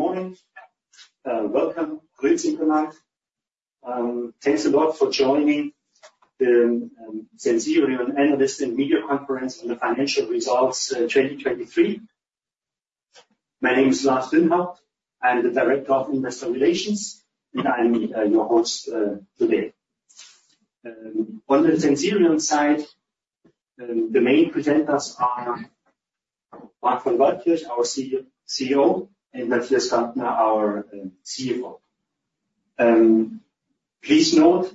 Good morning. Welcome, greetings tonight. Thanks a lot for joining the Sensirion Analyst and Media Conference on the Financial Results 2023. My name is Lars Dünnhaupt. I'm the Director of Investor Relations, and I'm your host today. On the Sensirion side, the main presenters are Marc von Waldkirch, our CEO, and Matthias Gantner, our CFO. Please note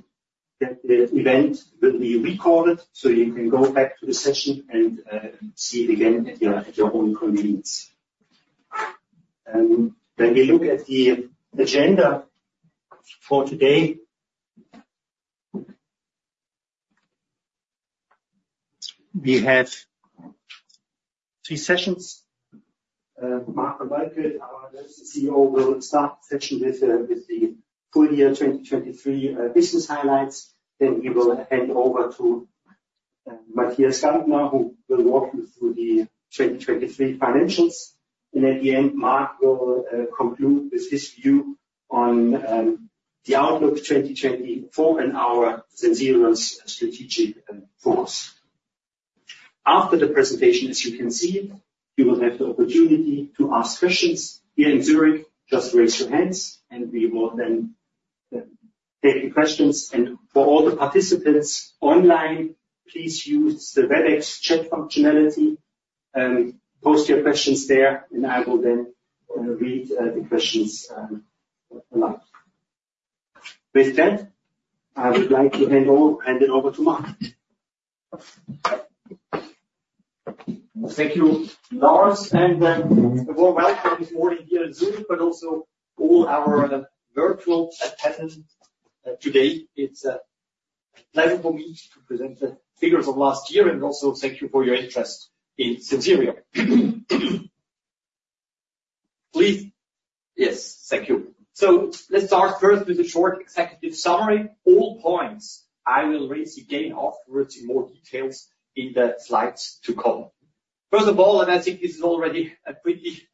that the event will be recorded, so you can go back to the session and see it again at your own convenience. Then we look at the agenda for today. We have three sessions. Marc von Waldkirch, our CEO, will start the session with the full year 2023 business highlights. Then he will hand over to Matthias Gantner, who will walk you through the 2023 financials. At the end, Marc will conclude with his view on the outlook 2024 and our Sensirion's strategic focus. After the presentation, as you can see, you will have the opportunity to ask questions here in Zurich. Just raise your hands, and we will then take the questions. And for all the participants online, please use the Webex chat functionality. Post your questions there, and I will then read the questions aloud. With that, I would like to hand it over to Marc. Thank you, Lars, and a warm welcome this morning here in Zurich, but also all our virtual attendees today. It's a pleasure for me to present the figures of last year, and also thank you for your interest in Sensirion. Please yes, thank you. So let's start first with a short executive summary. All points I will raise again afterwards in more details in the slides to come. First of all, and I think this is already a pretty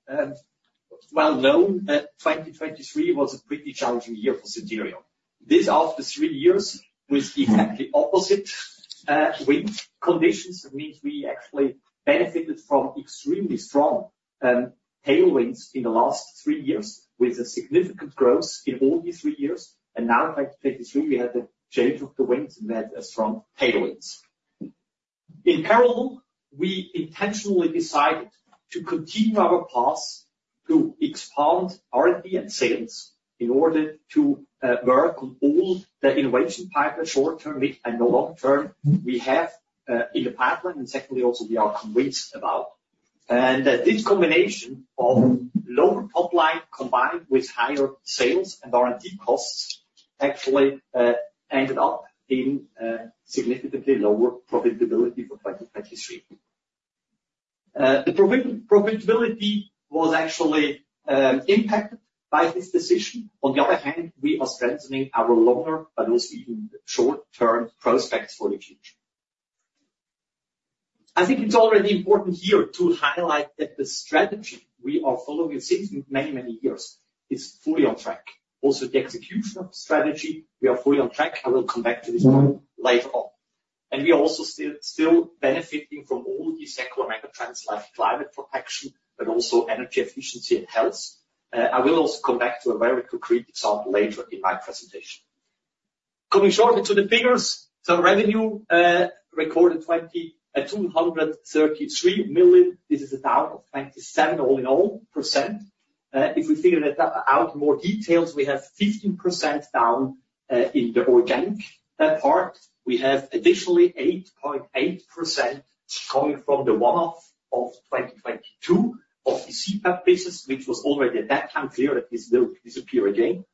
well-known, 2023 was a pretty challenging year for Sensirion. This after three years with exactly opposite wind conditions. That means we actually benefited from extremely strong tailwinds in the last three years, with a significant growth in all these three years. And now in 2023, we had a change of the winds, and we had strong tailwinds. In parallel, we intentionally decided to continue our paths to expand R&D and sales in order to work on all the innovation pipelines short term, mid, and long term we have in the pipeline, and secondly also we are convinced about. And this combination of lower pipeline combined with higher sales and R&D costs actually ended up in significantly lower profitability for 2023. The profitability was actually impacted by this decision. On the other hand, we are strengthening our longer, but also even short-term prospects for the future. I think it's already important here to highlight that the strategy we are following since many, many years is fully on track. Also the execution of the strategy, we are fully on track. I will come back to this point later on. And we are also still benefiting from all these secular megatrends like climate protection, but also energy efficiency and health. I will also come back to a very concrete example later in my presentation. Coming shortly to the figures. So revenue recorded 202.33 million. This is down 27% all in all. If we figure that out in more details, we have 15% down in the organic part. We have additionally 8.8% coming from the one-off of 2022 of the CPAP business, which was already at that time clear that this will disappear again.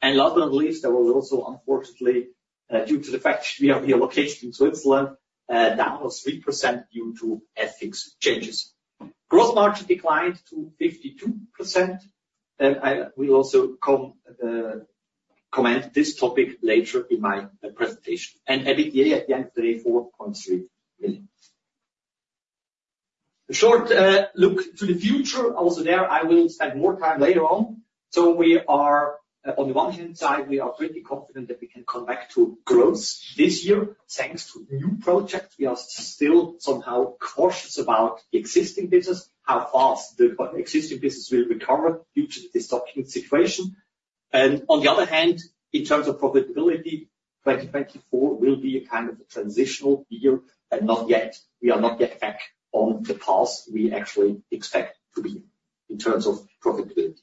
And last but not least, there was also, unfortunately, due to the fact we are located in Switzerland, down of 3% due to FX changes. Gross margin declined to 52%. And I will also comment this topic later in my presentation. And EBITDA at the end of the day, 4.3 million. A short look to the future. Also there, I will spend more time later on. So we are, on the one hand side, we are pretty confident that we can come back to growth this year thanks to new projects. We are still somehow cautious about the existing business, how fast the existing business will recover due to this stocking situation. On the other hand, in terms of profitability, 2024 will be a kind of a transitional year, and we are not yet back on the path we actually expect to be in terms of profitability.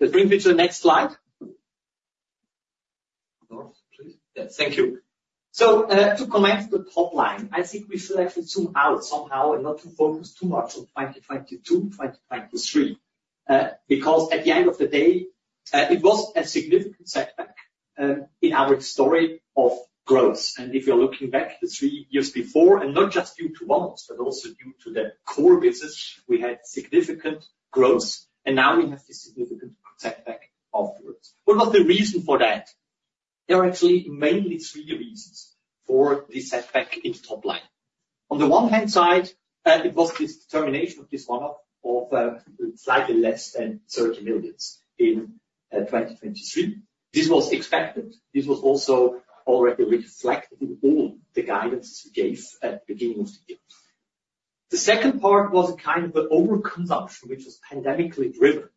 Let's bring it to the next slide. Lars, please. Yeah, thank you. So, to comment the pipeline, I think we should actually zoom out somehow and not to focus too much on 2022, 2023, because at the end of the day, it was a significant setback in our story of growth. And if you're looking back the three years before, and not just due to one-offs, but also due to the core business, we had significant growth, and now we have this significant setback afterwards. What was the reason for that? There are actually mainly three reasons for this setback in the pipeline. On the one-hand side, it was this determination of this one-off of slightly less than 30 million in 2023. This was expected. This was also already reflected in all the guidances we gave at the beginning of the year. The second part was a kind of an overconsumption, which was pandemically driven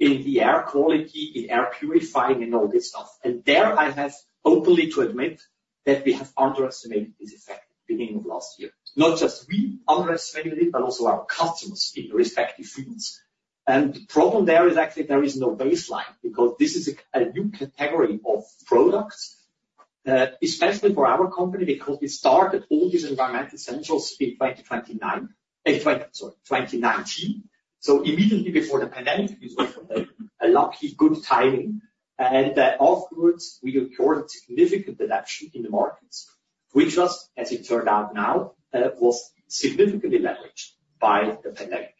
in the air quality, in air purifying, and all this stuff. And there I have openly to admit that we have underestimated this effect at the beginning of last year. Not just we underestimated it, but also our customers in the respective fields. And the problem there is actually there is no baseline because this is a new category of products, especially for our company because we started all these environmental sensors in 2019. So immediately before the pandemic, this was a lucky good timing. And, afterwards, we recorded significant reduction in the markets, which was, as it turned out now, was significantly leveraged by the pandemic.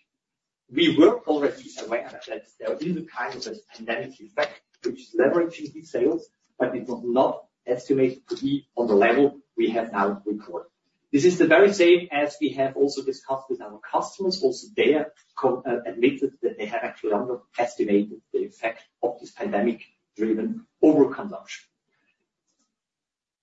We were already aware that there is a kind of a pandemic effect, which is leveraging these sales, but it was not estimated to be on the level we have now recorded. This is the very same as we have also discussed with our customers. Also they have admitted that they have actually underestimated the effect of this pandemic-driven overconsumption.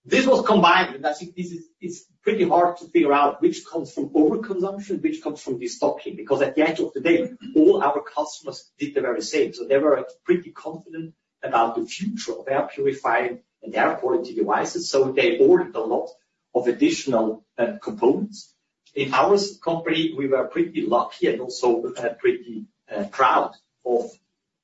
This was combined, and I think this is. It's pretty hard to figure out which comes from overconsumption, which comes from the stocking, because at the end of the day, all our customers did the very same. So they were pretty confident about the future of air purifying and air quality devices, so they ordered a lot of additional components. In our company, we were pretty lucky and also pretty proud of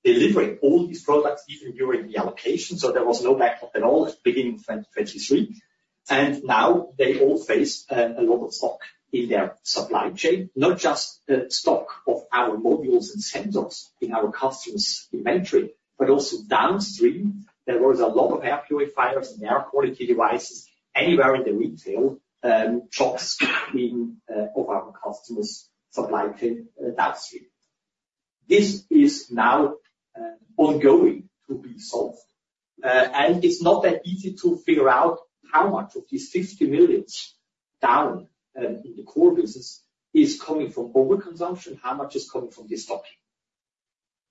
delivering all these products even during the allocation. So there was no backup at all at the beginning of 2023. And now they all face a lot of stock in their supply chain, not just stock of our modules and sensors in our customers' inventory, but also downstream, there was a lot of air purifiers and air quality devices anywhere in the retail shops in of our customers' supply chain, downstream. This is now ongoing to be solved. It's not that easy to figure out how much of these 50 million down in the core business is coming from overconsumption, how much is coming from the stocking.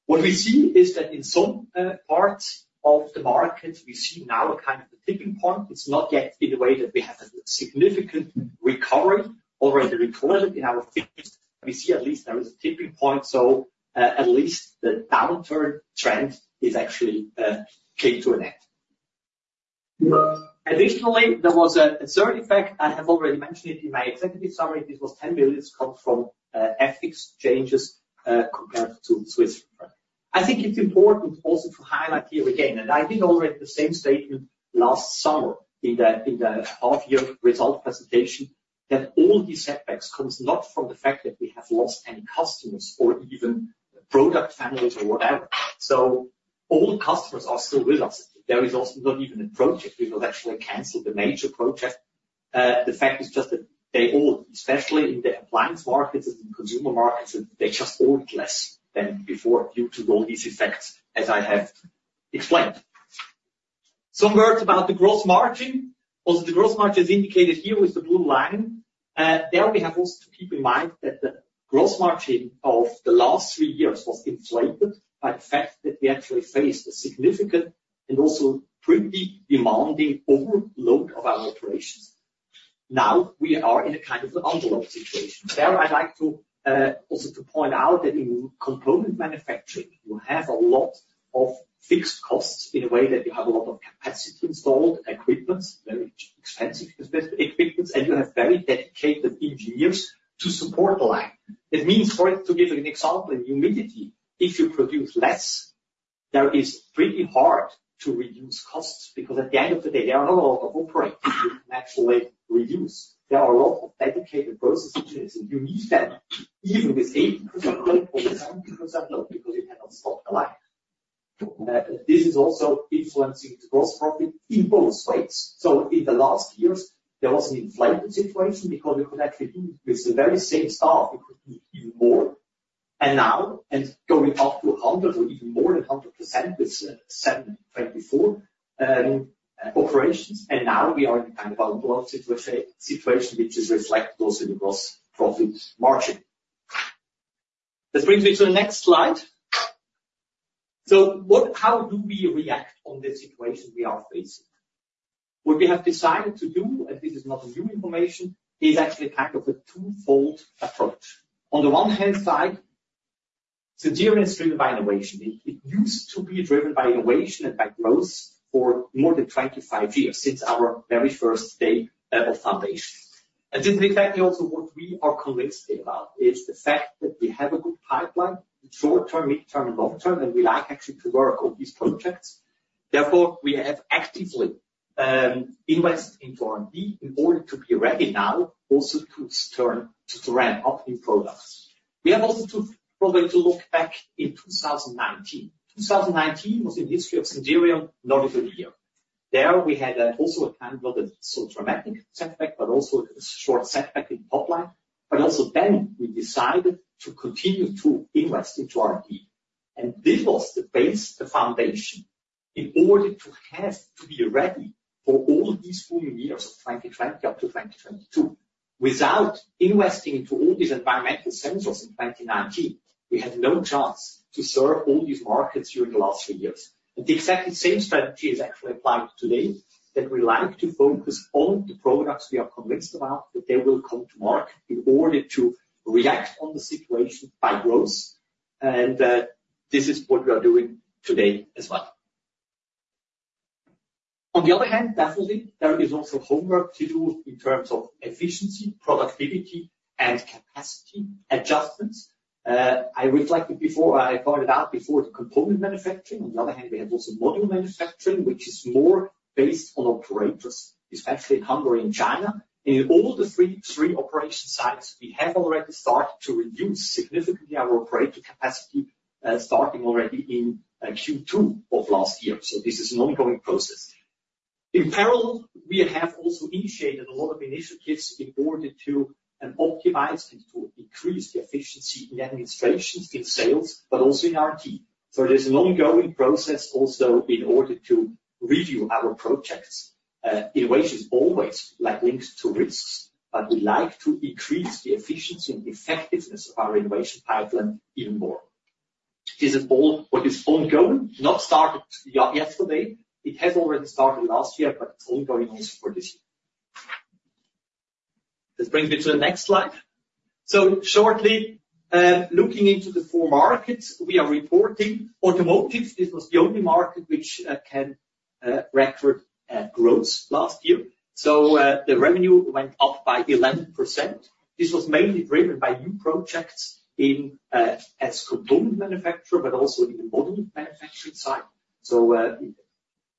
What we see is that in some parts of the market, we see now a kind of a tipping point. It's not yet in a way that we have a significant recovery already recorded in our figures. We see at least there is a tipping point, so at least the downturn trend actually came to an end. Additionally, there was a third effect. I have already mentioned it in my executive summary. This was 10 million comes from FX changes compared to Switzerland. I think it's important also to highlight here again, and I did already the same statement last summer in the half-year results presentation, that all these setbacks come not from the fact that we have lost any customers or even product families or whatever. So all customers are still with us. There is also not even a project we will actually cancel, the major project. The fact is just that they all, especially in the appliance markets and in consumer markets, they just ordered less than before due to all these effects, as I have explained. Some words about the gross margin. Also, the gross margin is indicated here with the blue line. There we have also to keep in mind that the gross margin of the last three years was inflated by the fact that we actually faced a significant and also pretty demanding overload of our operations. Now we are in a kind of an underload situation. There I'd like to, also to point out that in component manufacturing, you have a lot of fixed costs in a way that you have a lot of capacity installed, equipments, very expensive equipments, and you have very dedicated engineers to support the line. That means, for to give you an example, in humidity, if you produce less, there is pretty hard to reduce costs because at the end of the day, there are not a lot of operators you can actually reduce. There are a lot of dedicated process engineers, and you need them even with 80% load or 70% load because you cannot stop the line. This is also influencing the gross profit in both ways. So in the last years, there was an inflated situation because you could actually do with the very same staff, you could do even more. And now, and going up to 100% or even more than 100% with 2024 operations, and now we are in a kind of underload situation, which is reflected also in the gross profit margin. Let's bring it to the next slide. So what how do we react on this situation we are facing? What we have decided to do, and this is not new information, is actually kind of a twofold approach. On the one-hand side, Sensirion is driven by innovation. It used to be driven by innovation and by growth for more than 25 years since our very first day of foundation. This is exactly also what we are convinced about, is the fact that we have a good pipeline, short term, mid term, and long term, and we like actually to work on these projects. Therefore, we have actively invested into R&D in order to be ready now also to turn to ramp up new products. We have also to probably look back in 2019. 2019 was in the history of Sensirion not even a year. There we had also a kind of not a so dramatic setback, but also a short setback in the pipeline. But also then we decided to continue to invest into R&D. This was the base, the foundation, in order to have to be ready for all these booming years of 2020 up to 2022. Without investing into all these environmental sensors in 2019, we had no chance to serve all these markets during the last three years. The exact same strategy is actually applied today, that we like to focus on the products we are convinced about that they will come to market in order to react on the situation by growth. This is what we are doing today as well. On the other hand, definitely, there is also homework to do in terms of efficiency, productivity, and capacity adjustments. I reflected before, I pointed out before, the component manufacturing. On the other hand, we have also module manufacturing, which is more based on operators, especially in Hungary and China. In all the three operation sites, we have already started to reduce significantly our operator capacity, starting already in Q2 of last year. So this is an ongoing process. In parallel, we have also initiated a lot of initiatives in order to optimize and to increase the efficiency in administrations, in sales, but also in R&D. So there's an ongoing process also in order to review our projects. Innovation is always like linked to risks, but we like to increase the efficiency and effectiveness of our innovation pipeline even more. This is all what is ongoing, not started yesterday. It has already started last year, but it's ongoing also for this year. Let's bring it to the next slide. So shortly, looking into the four markets, we are reporting automotive. This was the only market which can record growth last year. So the revenue went up by 11%. This was mainly driven by new projects in, as component manufacturer, but also in the module manufacturing side. So,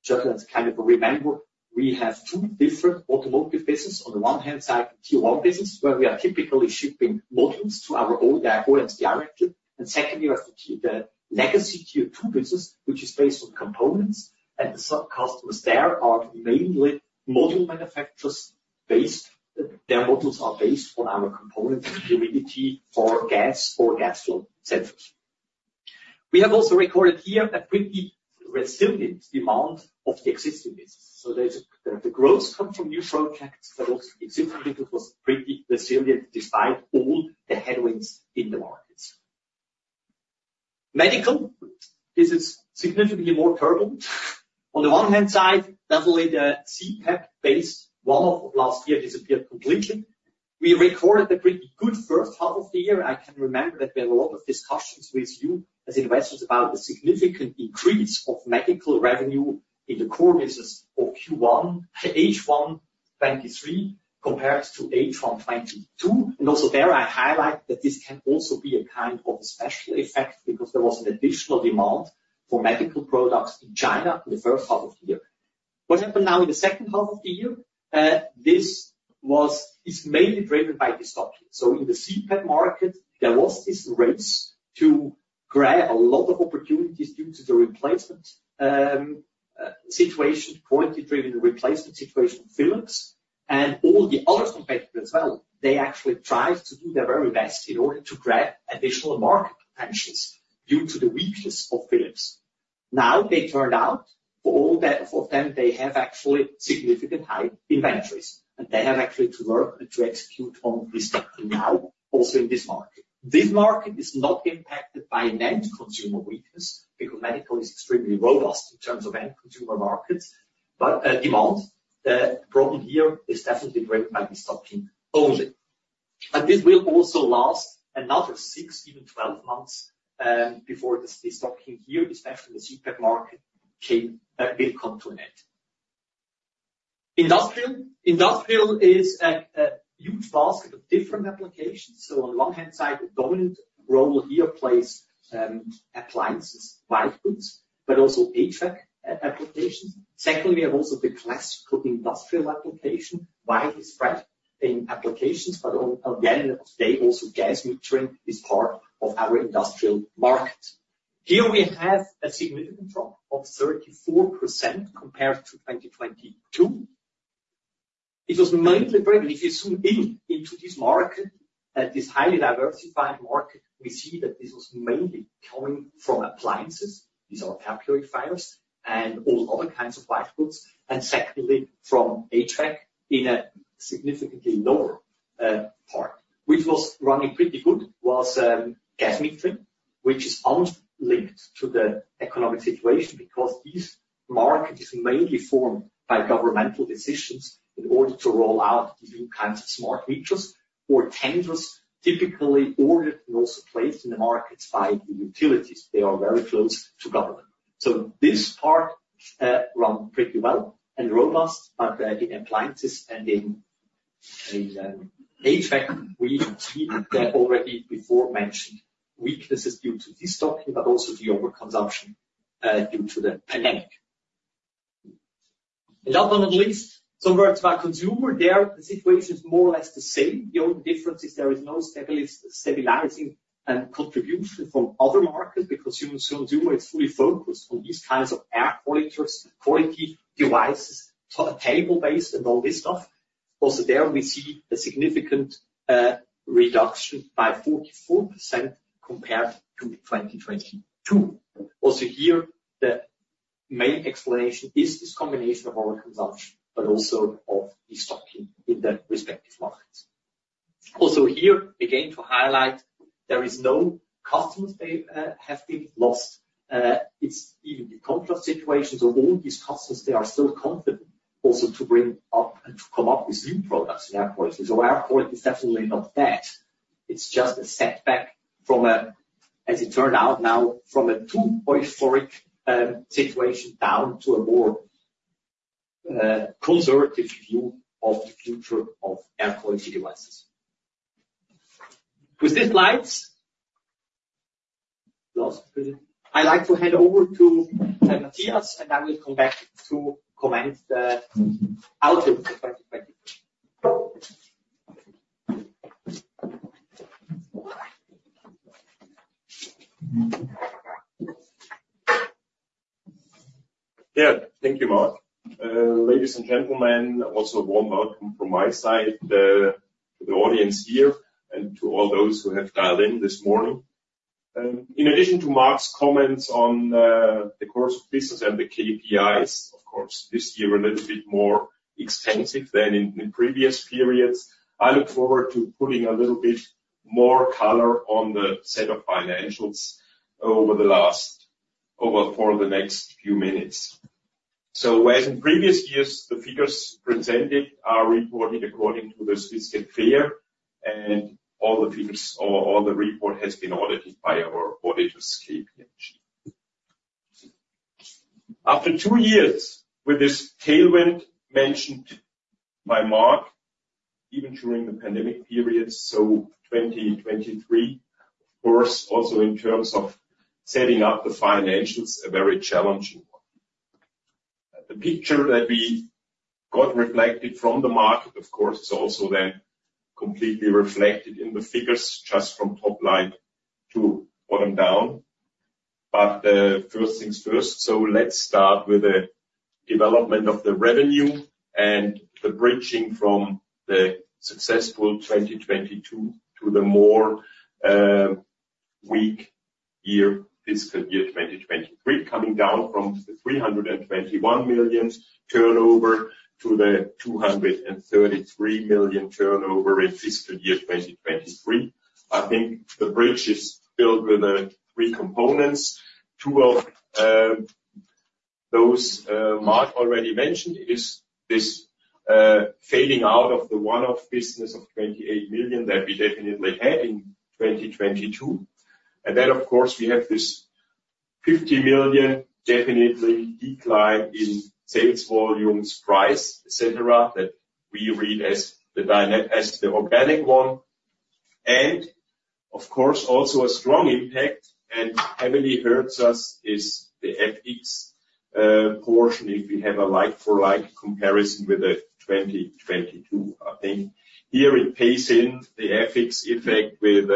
just as kind of a reminder, we have two different automotive businesses. On the one-hand side, the Tier 1 business, where we are typically shipping modules to our OEMs directly. And secondly, we have the legacy Tier 2 business, which is based on components. And the sub-customers there are mainly module manufacturers based their modules are based on our components, humidity, or gas, or gas flow sensors. We have also recorded here a pretty resilient demand of the existing business. So there's the growth comes from new projects, but also the existing business was pretty resilient despite all the headwinds in the markets. Medical, this is significantly more turbulent. On the one-hand side, definitely the CPAP-based one-off of last year disappeared completely. We recorded a pretty good first half of the year. I can remember that we had a lot of discussions with you as investors about the significant increase of medical revenue in the core business of Q1, H1 2023, compared to H1 2022. And also there I highlight that this can also be a kind of a special effect because there was an additional demand for medical products in China in the first half of the year. What happened now in the second half of the year, this was mainly driven by the stocking. So in the CPAP market, there was this race to grab a lot of opportunities due to the replacement situation, quality-driven replacement situation of Philips. And all the other competitors as well, they actually tried to do their very best in order to grab additional market potentials due to the weakness of Philips. Now they turned out, for all of them, they have actually significant high inventories, and they have actually to work and to execute on respective now also in this market. This market is not impacted by an end-consumer weakness because medical is extremely robust in terms of end-consumer markets, but demand, the problem here is definitely driven by the stocking only. This will also last another six, even 12 months, before the stocking here, especially in the CPAP market, will come to an end. Industrial, industrial is a huge basket of different applications. So on the one hand side, the dominant role here plays appliances, white goods, but also HVAC applications. Secondly, we have also the classical industrial application, widely spread in applications, but at the end of the day, also gas metering is part of our industrial market. Here we have a significant drop of 34% compared to 2022. It was mainly driven if you zoom in into this market, this highly diversified market, we see that this was mainly coming from appliances. These are air purifiers and all other kinds of white goods. And secondly, from HVAC in a significantly lower part. Which was running pretty good was gas metering, which is unlinked to the economic situation because these markets are mainly formed by governmental decisions in order to roll out these new kinds of smart meters or tenders, typically ordered and also placed in the markets by the utilities. They are very close to government. So this part ran pretty well and robust, but in appliances and in HVAC, we see that already before mentioned weaknesses due to the stocking, but also the overconsumption, due to the pandemic. Last but not least, some words about consumer. There the situation is more or less the same. The only difference is there is no stabilizing contribution from other markets because consumer is fully focused on these kinds of air quality devices, table-based, and all this stuff. Also there we see a significant reduction by 44% compared to 2022. Also here, the main explanation is this combination of overconsumption, but also of the stocking in the respective markets. Also here, again, to highlight, there is no customers they have been lost. It's even the contrast situation. So all these customers, they are still confident also to bring up and to come up with new products in air quality. So air quality is definitely not bad. It's just a setback from a, as it turned out now, from a too euphoric situation down to a more conservative view of the future of air quality devices. With these slides, lost a little bit. I'd like to hand over to Matthias, and I will come back to comment the outlook for 2023. Yeah, thank you, Marc. Ladies and gentlemen, also a warm welcome from my side to the audience here and to all those who have dialed in this morning. In addition to Marc's comments on the course of business and the KPIs, of course, this year a little bit more extensive than in the previous periods, I look forward to putting a little bit more color on the set of financials over the last for the next few minutes. So as in previous years, the figures presented are reported according to the Swiss GAAP FER, and all the figures or all the report has been audited by our auditors KPMG. After two years with this tailwind mentioned by Marc, even during the pandemic period, so 2023, of course, also in terms of setting up the financials, a very challenging one. The picture that we got reflected from the market, of course, is also then completely reflected in the figures just from top line to bottom line. But, first things first. So let's start with the development of the revenue and the bridging from the successful 2022 to the more weak year fiscal year 2023, coming down from the 321 million turnover to the 233 million turnover in fiscal year 2023. I think the bridge is built with three components. Two of those, Marc already mentioned is this fading out of the one-off business of 28 million that we definitely had in 2022. And then, of course, we have this 50 million definitely decline in sales volumes, price, etc., that we read as the organic one. And, of course, also a strong impact and heavily hurts us is the FX portion if we have a like-for-like comparison with 2022, I think. Here it plays in the FX effect with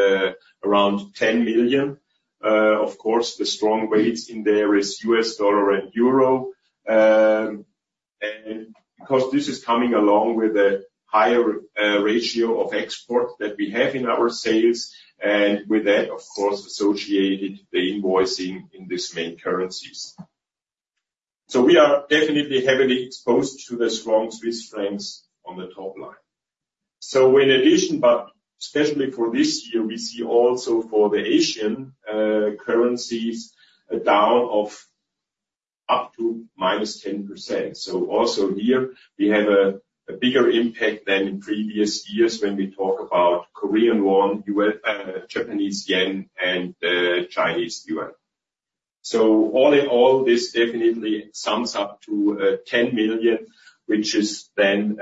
around 10 million. Of course, the strong weights in there is U.S. dollar and euro. And because this is coming along with a higher ratio of export that we have in our sales, and with that, of course, associated the invoicing in these main currencies. So we are definitely heavily exposed to the strong Swiss francs on the top line. So in addition, but especially for this year, we see also for the Asian currencies a down of up to -10%. So also here we have a bigger impact than in previous years when we talk about Korean won, U.S. dollar, Japanese yen, and Chinese yuan. So all in all, this definitely sums up to 10 million, which is then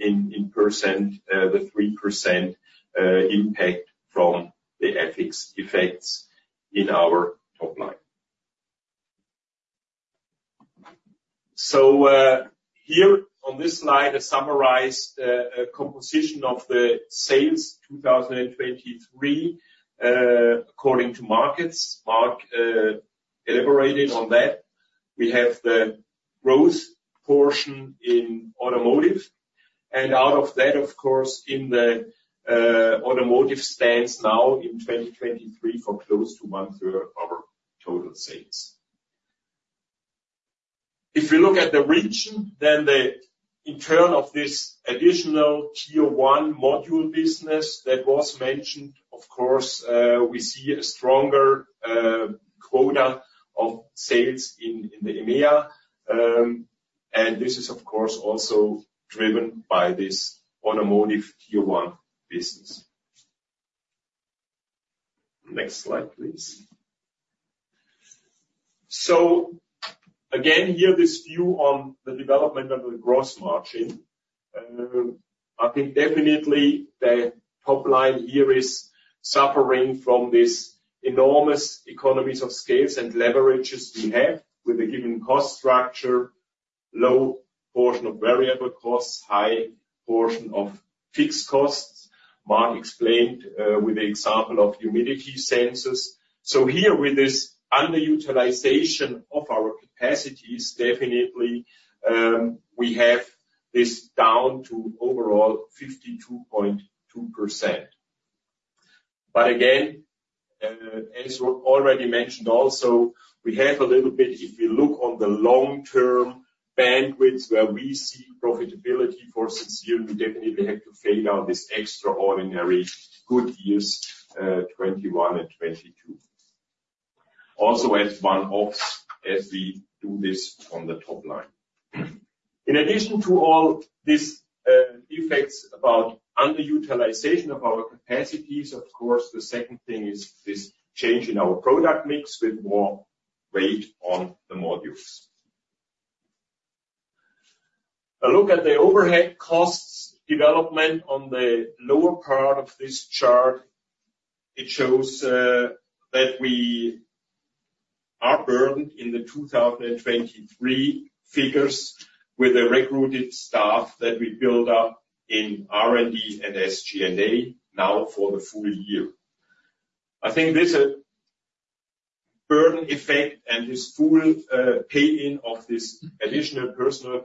in percent the 3% impact from the FX effects in our top line. So here on this slide a summarized composition of the sales 2023 according to markets. Marc elaborated on that. We have the growth portion in automotive. And out of that, of course, in the automotive stands now in 2023 for close to one-third of our total sales. If we look at the region, then the upturn of this additional Tier 1 module business that was mentioned, of course, we see a stronger quota of sales in the EMEA. This is, of course, also driven by this automotive Tier 1 business. Next slide, please. So again, here this view on the development of the gross margin. I think definitely the top line here is suffering from these enormous economies of scale and leverage we have with a given cost structure, low portion of variable costs, high portion of fixed costs. Marc explained, with the example of humidity sensors. So here with this underutilization of our capacities, definitely, we have this down to overall 52.2%. But again, as already mentioned also, we have a little bit if we look on the long-term bandwidth where we see profitability for Sensirion, we definitely have to fade out these extraordinary good years, 2021 and 2022, also as one-offs as we do this on the top line. In addition to all these effects about underutilization of our capacities, of course, the second thing is this change in our product mix with more weight on the modules. A look at the overhead costs development on the lower part of this chart. It shows that we are burdened in the 2023 figures with a recruited staff that we build up in R&D and SG&A now for the full year. I think this burden effect and this full pay-in of these additional personnel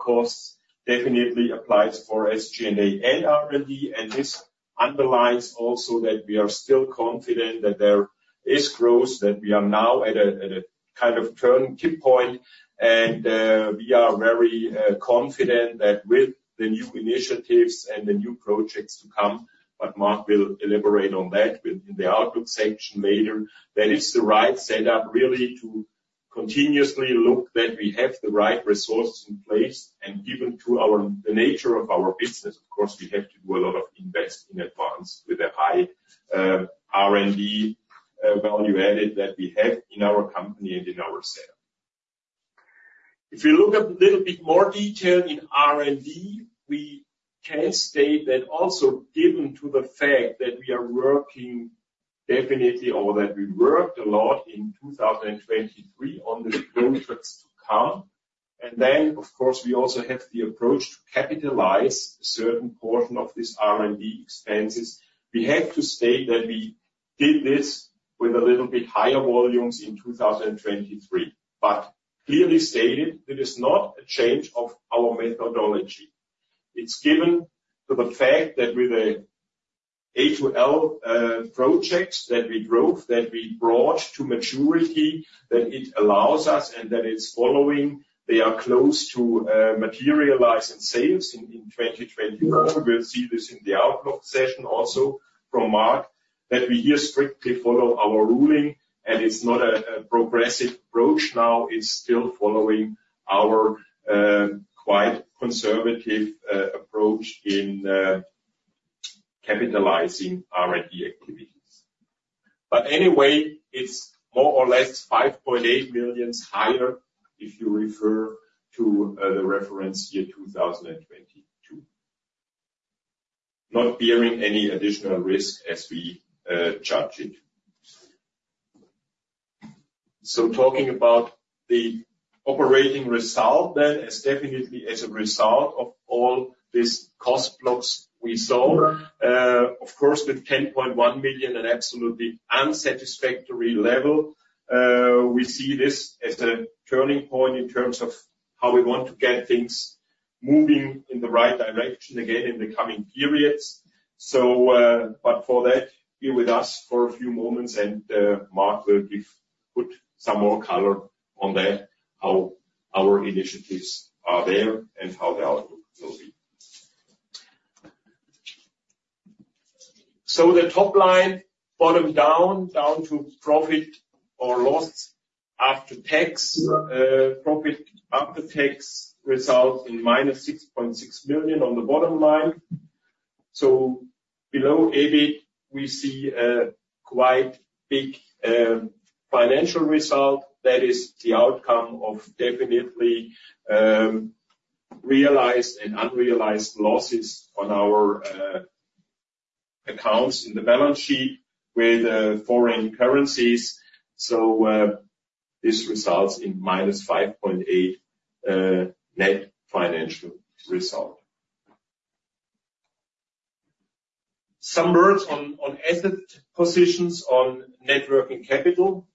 costs definitely applies for SG&A and R&D. And this underlines also that we are still confident that there is growth, that we are now at a kind of turning point. And we are very confident that with the new initiatives and the new projects to come, but Marc will elaborate on that in the outlook section later, that it's the right setup really to continuously look that we have the right resources in place. And given the nature of our business, of course, we have to do a lot of investment in advance with a high R&D value added that we have in our company and in our setup. If we look at a little bit more detail in R&D, we can state that also given the fact that we are working definitely or that we worked a lot in 2023 on the projects to come. And then, of course, we also have the approach to capitalize a certain portion of these R&D expenses. We have to state that we did this with a little bit higher volumes in 2023, but clearly stated that it's not a change of our methodology. It's given to the fact that with the A2L projects that we drove, that we brought to maturity, that it allows us and that it's following they are close to materialized in sales in 2024. We'll see this in the outlook session also from Marc, that we here strictly follow our ruling. And it's not a progressive approach now. It's still following our quite conservative approach in capitalizing R&D activities. But anyway, it's more or less 5.8 million higher if you refer to the reference year 2022. Not bearing any additional risk as we judge it. So talking about the operating result then is definitely as a result of all these cost blocks we saw. Of course, with 10.1 million an absolutely unsatisfactory level, we see this as a turning point in terms of how we want to get things moving in the right direction again in the coming periods. So, but for that, be with us for a few moments, and, Marc will give put some more color on that, how our initiatives are there and how the outlook will be. So the top line, bottom down, down to profit or loss after tax, profit after tax results in minus 6.6 million on the bottom line. So below EBIT, we see a quite big, financial result. That is the outcome of definitely, realized and unrealized losses on our, accounts in the balance sheet with, foreign currencies. So, this results in minus 5.8 million, net financial result. Some words on asset positions on net working capital.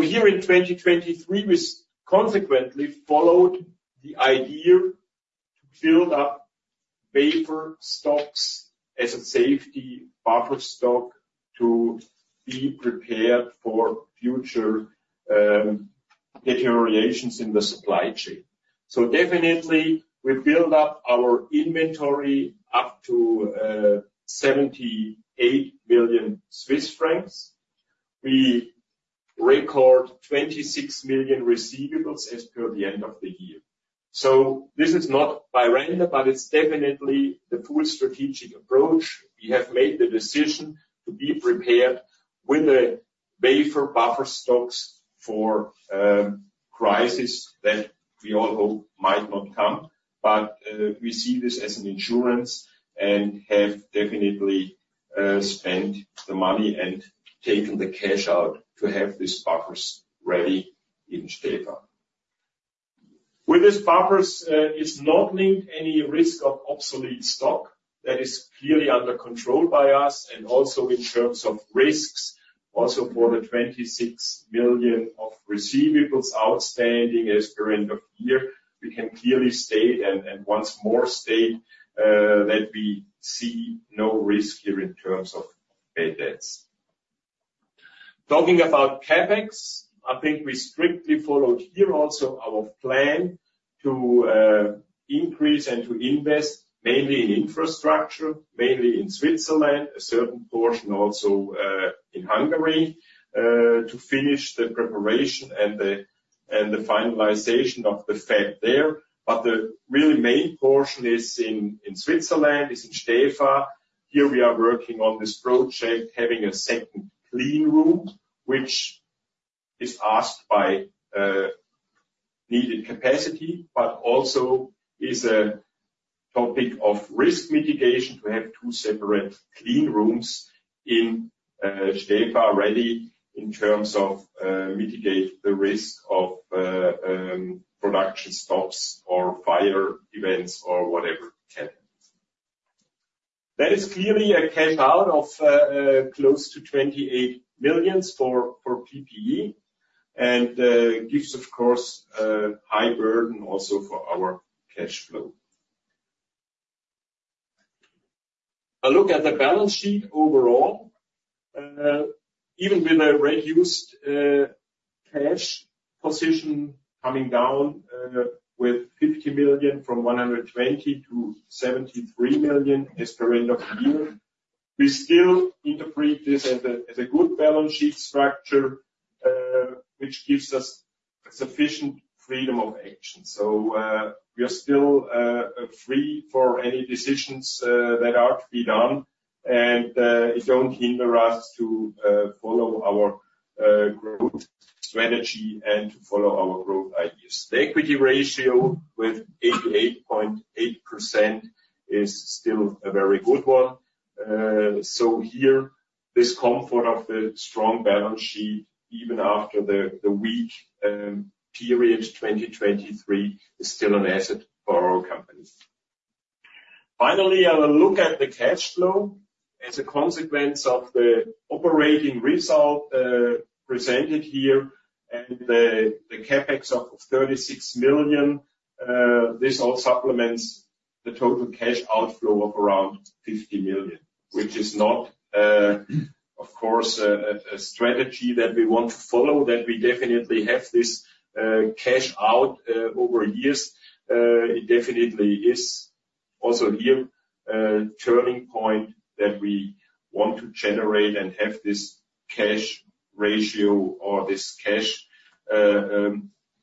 Here in 2023, we consequently followed the idea to build up buffer stocks as a safety buffer stock to be prepared for future deteriorations in the supply chain. Definitely, we build up our inventory up to 78 million Swiss francs. We record 26 million receivables as per the end of the year. This is not by random, but it's definitely the full strategic approach. We have made the decision to be prepared with the buffer buffer stocks for crisis that we all hope might not come. But we see this as an insurance and have definitely spent the money and taken the cash out to have these buffers ready in Stäfa. With these buffers, it's not linked any risk of obsolete stock. That is clearly under control by us. Also in terms of risks, also for the 26 million of receivables outstanding as per end of year, we can clearly state, and once more state, that we see no risk here in terms of bad debts. Talking about CapEx, I think we strictly followed here also our plan to increase and to invest mainly in infrastructure, mainly in Switzerland, a certain portion also in Hungary, to finish the preparation and the finalization of the fab there. But the really main portion is in Switzerland, is in Stäfa. Here we are working on this project, having a second clean room, which is asked by needed capacity, but also is a topic of risk mitigation to have two separate clean rooms in Stäfa ready in terms of mitigate the risk of production stops or fire events or whatever can happen. That is clearly a cash out of close to 28 million for PPE. And gives, of course, high burden also for our cash flow. A look at the balance sheet overall. Even with a reduced cash position coming down with 50 million from 120 million to 73 million as per end of year, we still interpret this as a good balance sheet structure, which gives us sufficient freedom of action. So, we are still free for any decisions that are to be done. And it don't hinder us to follow our growth strategy and to follow our growth ideas. The equity ratio with 88.8% is still a very good one. So here, this comfort of the strong balance sheet, even after the weak period 2023, is still an asset for our company. Finally, I will look at the cash flow as a consequence of the operating result, presented here. And the CapEx of 36 million, this all supplements the total cash outflow of around 50 million, which is not, of course, a strategy that we want to follow, that we definitely have this cash outflow over years. It definitely is also here a turning point that we want to generate and have this cash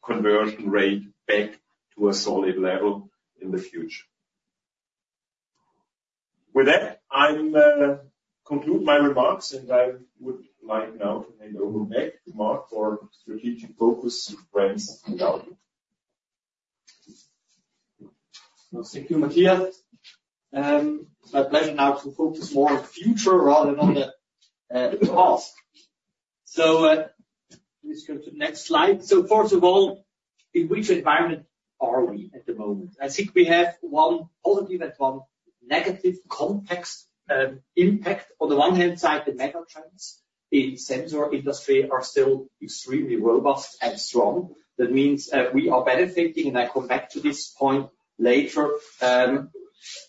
conversion rate back to a solid level in the future. With that, I conclude my remarks. And I would like now to hand over back to Marc for strategic focus, brands and outlook. Thank you, Matthias. It's my pleasure now to focus more on future rather than on the past. So, let's go to the next slide. So first of all, in which environment are we at the moment? I think we have one positive and one negative contextual impact. On the one hand side, the megatrends in sensor industry are still extremely robust and strong. That means, we are benefiting, and I come back to this point later,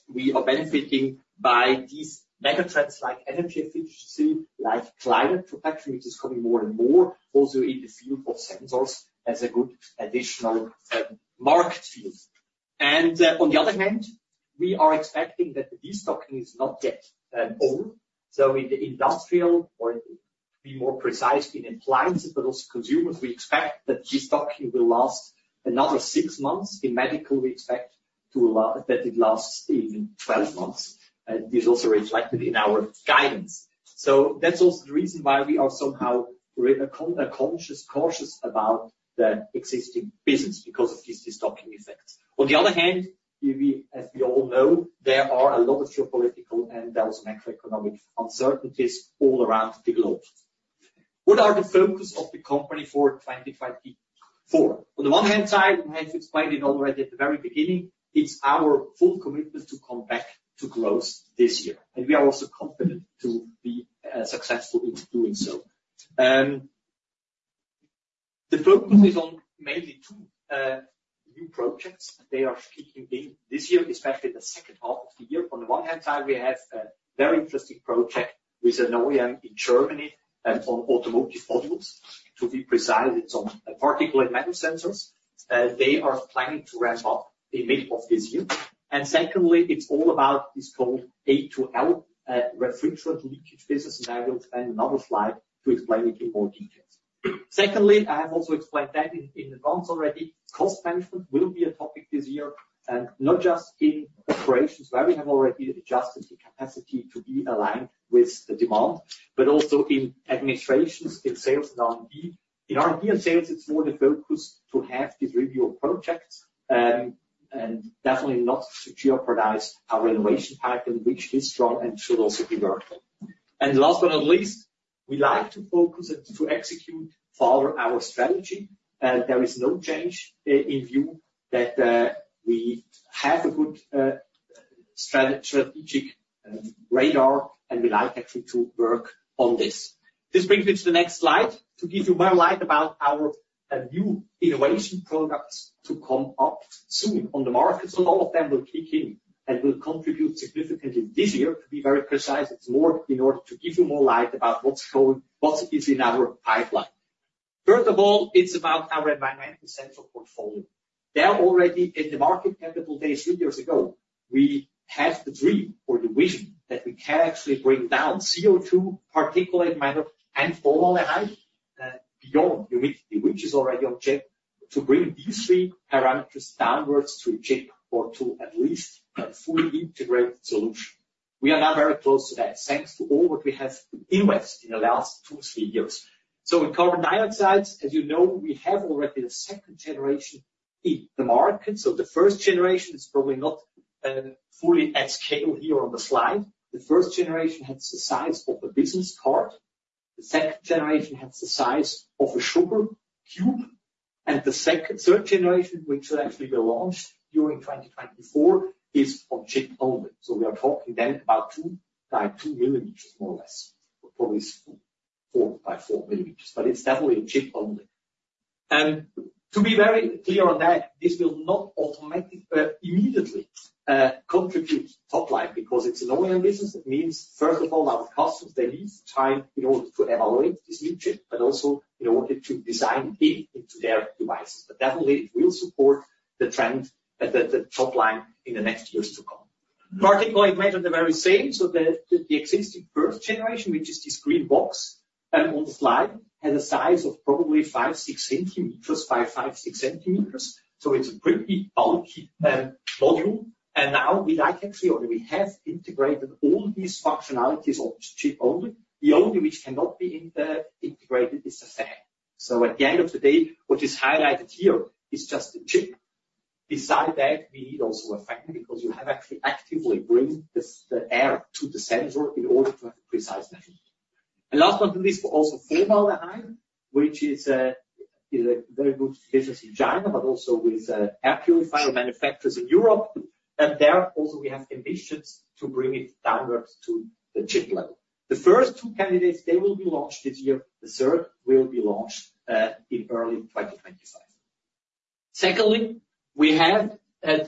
we are benefiting by these megatrends like energy efficiency, like climate protection, which is coming more and more also in the field of sensors as a good additional market field. On the other hand, we are expecting that the destocking is not yet over. So in the industrial or to be more precise in appliances but also consumers, we expect that destocking will last another six months. In medical, we expect that it lasts in 12 months. This is also reflected in our guidance. So that's also the reason why we are somehow consciously cautious about the existing business because of these destocking effects. On the other hand, as we all know, there are a lot of geopolitical and there are some macroeconomic uncertainties all around the globe. What are the focus of the company for 2024? On the one hand side, I have explained it already at the very beginning, it's our full commitment to come back to growth this year. And we are also confident to be successful in doing so. The focus is on mainly two new projects. They are kicking in this year, especially the second half of the year. On the one hand side, we have a very interesting project with an OEM in Germany on automotive modules. To be precise, it's on particulate matter sensors. They are planning to ramp up in the middle of this year. And secondly, it's all about this called A2L refrigerant leakage business. I will spend another slide to explain it in more detail. Secondly, I have also explained that in advance already, cost management will be a topic this year, and not just in operations where we have already adjusted the capacity to be aligned with the demand, but also in administration, in sales, and R&D. In R&D and sales, it's more the focus to have these reviews of projects, and definitely not to jeopardize our innovation pipeline, which is strong and should also be workable. Last but not least, we like to focus and to execute further our strategy. There is no change in our view that we have a good strategic radar, and we like actually to work on this. This brings me to the next slide to shed more light on our new innovation products to come up soon on the market. So all of them will kick in and will contribute significantly this year. To be very precise, it's more in order to give you more light about what's going on, what is in our pipeline. First of all, it's about our environmental sensor portfolio. They are already in the market since three years ago. We have the dream or the vision that we can actually bring down CO2, particulate matter, and formaldehyde, beyond humidity, which is already on chip, to bring these three parameters downwards to a chip or to at least a fully integrated solution. We are now very close to that thanks to all what we have invested in the last two, three years. So in carbon dioxide, as you know, we have already the second generation in the market. So the first generation is probably not fully at scale here on the slide. The first generation had the size of a business card. The second generation had the size of a sugar cube. The second third generation, which will actually be launched during 2024, is on chip only. So we are talking then about 2 by 2 millimeters, more or less. Probably 4 by 4 millimeters. But it's definitely a chip only. To be very clear on that, this will not automatically, immediately, contribute to top line because it's an OEM business. That means, first of all, our customers, they need time in order to evaluate this new chip, but also in order to design it into their devices. But definitely, it will support the trend, the top line in the next years to come. Particulate matter, the very same. So the existing first generation, which is this green box on the slide, has a size of probably 5-6 centimeters, 5, 5-6 centimeters. So it's a pretty bulky module. And now we like actually or we have integrated all these functionalities of chip only. The only which cannot be integrated is the fan. So at the end of the day, what is highlighted here is just the chip. Beside that, we need also a fan because you have actually actively bring the air to the sensor in order to have a precise measurement. And last but not least, also formaldehyde, which is a very good business in China, but also with air purifier manufacturers in Europe. And there also, we have ambitions to bring it downwards to the chip level. The first two candidates, they will be launched this year. The third will be launched in early 2025. Secondly, we have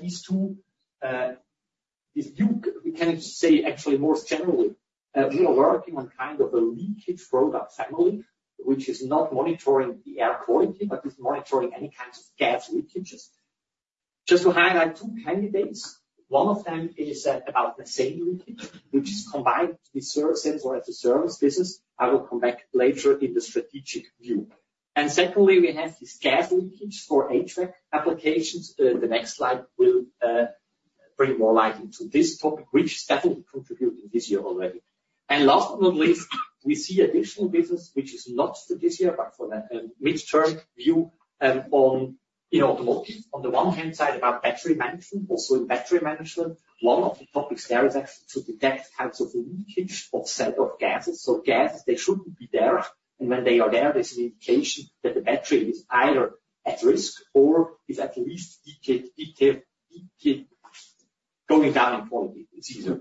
these two, this new we cannot say actually more generally, we are working on kind of a leakage product family, which is not monitoring the air quality, but is monitoring any kinds of gas leakages. Just to highlight two candidates, one of them is about methane leakage, which is combined to be serviced or as a service business. I will come back later in the strategic view. And secondly, we have this gas leakage for HVAC applications. The next slide will bring more light into this topic, which is definitely contributing this year already. And last but not least, we see additional business, which is not for this year, but for the mid-term view, on in automotive. On the one hand side, about battery management, also in battery management, one of the topics there is actually to detect kinds of leakage of cell off-gases. So gases, they shouldn't be there. And when they are there, there's an indication that the battery is either at risk or is at least decay going down in quality. It's easier.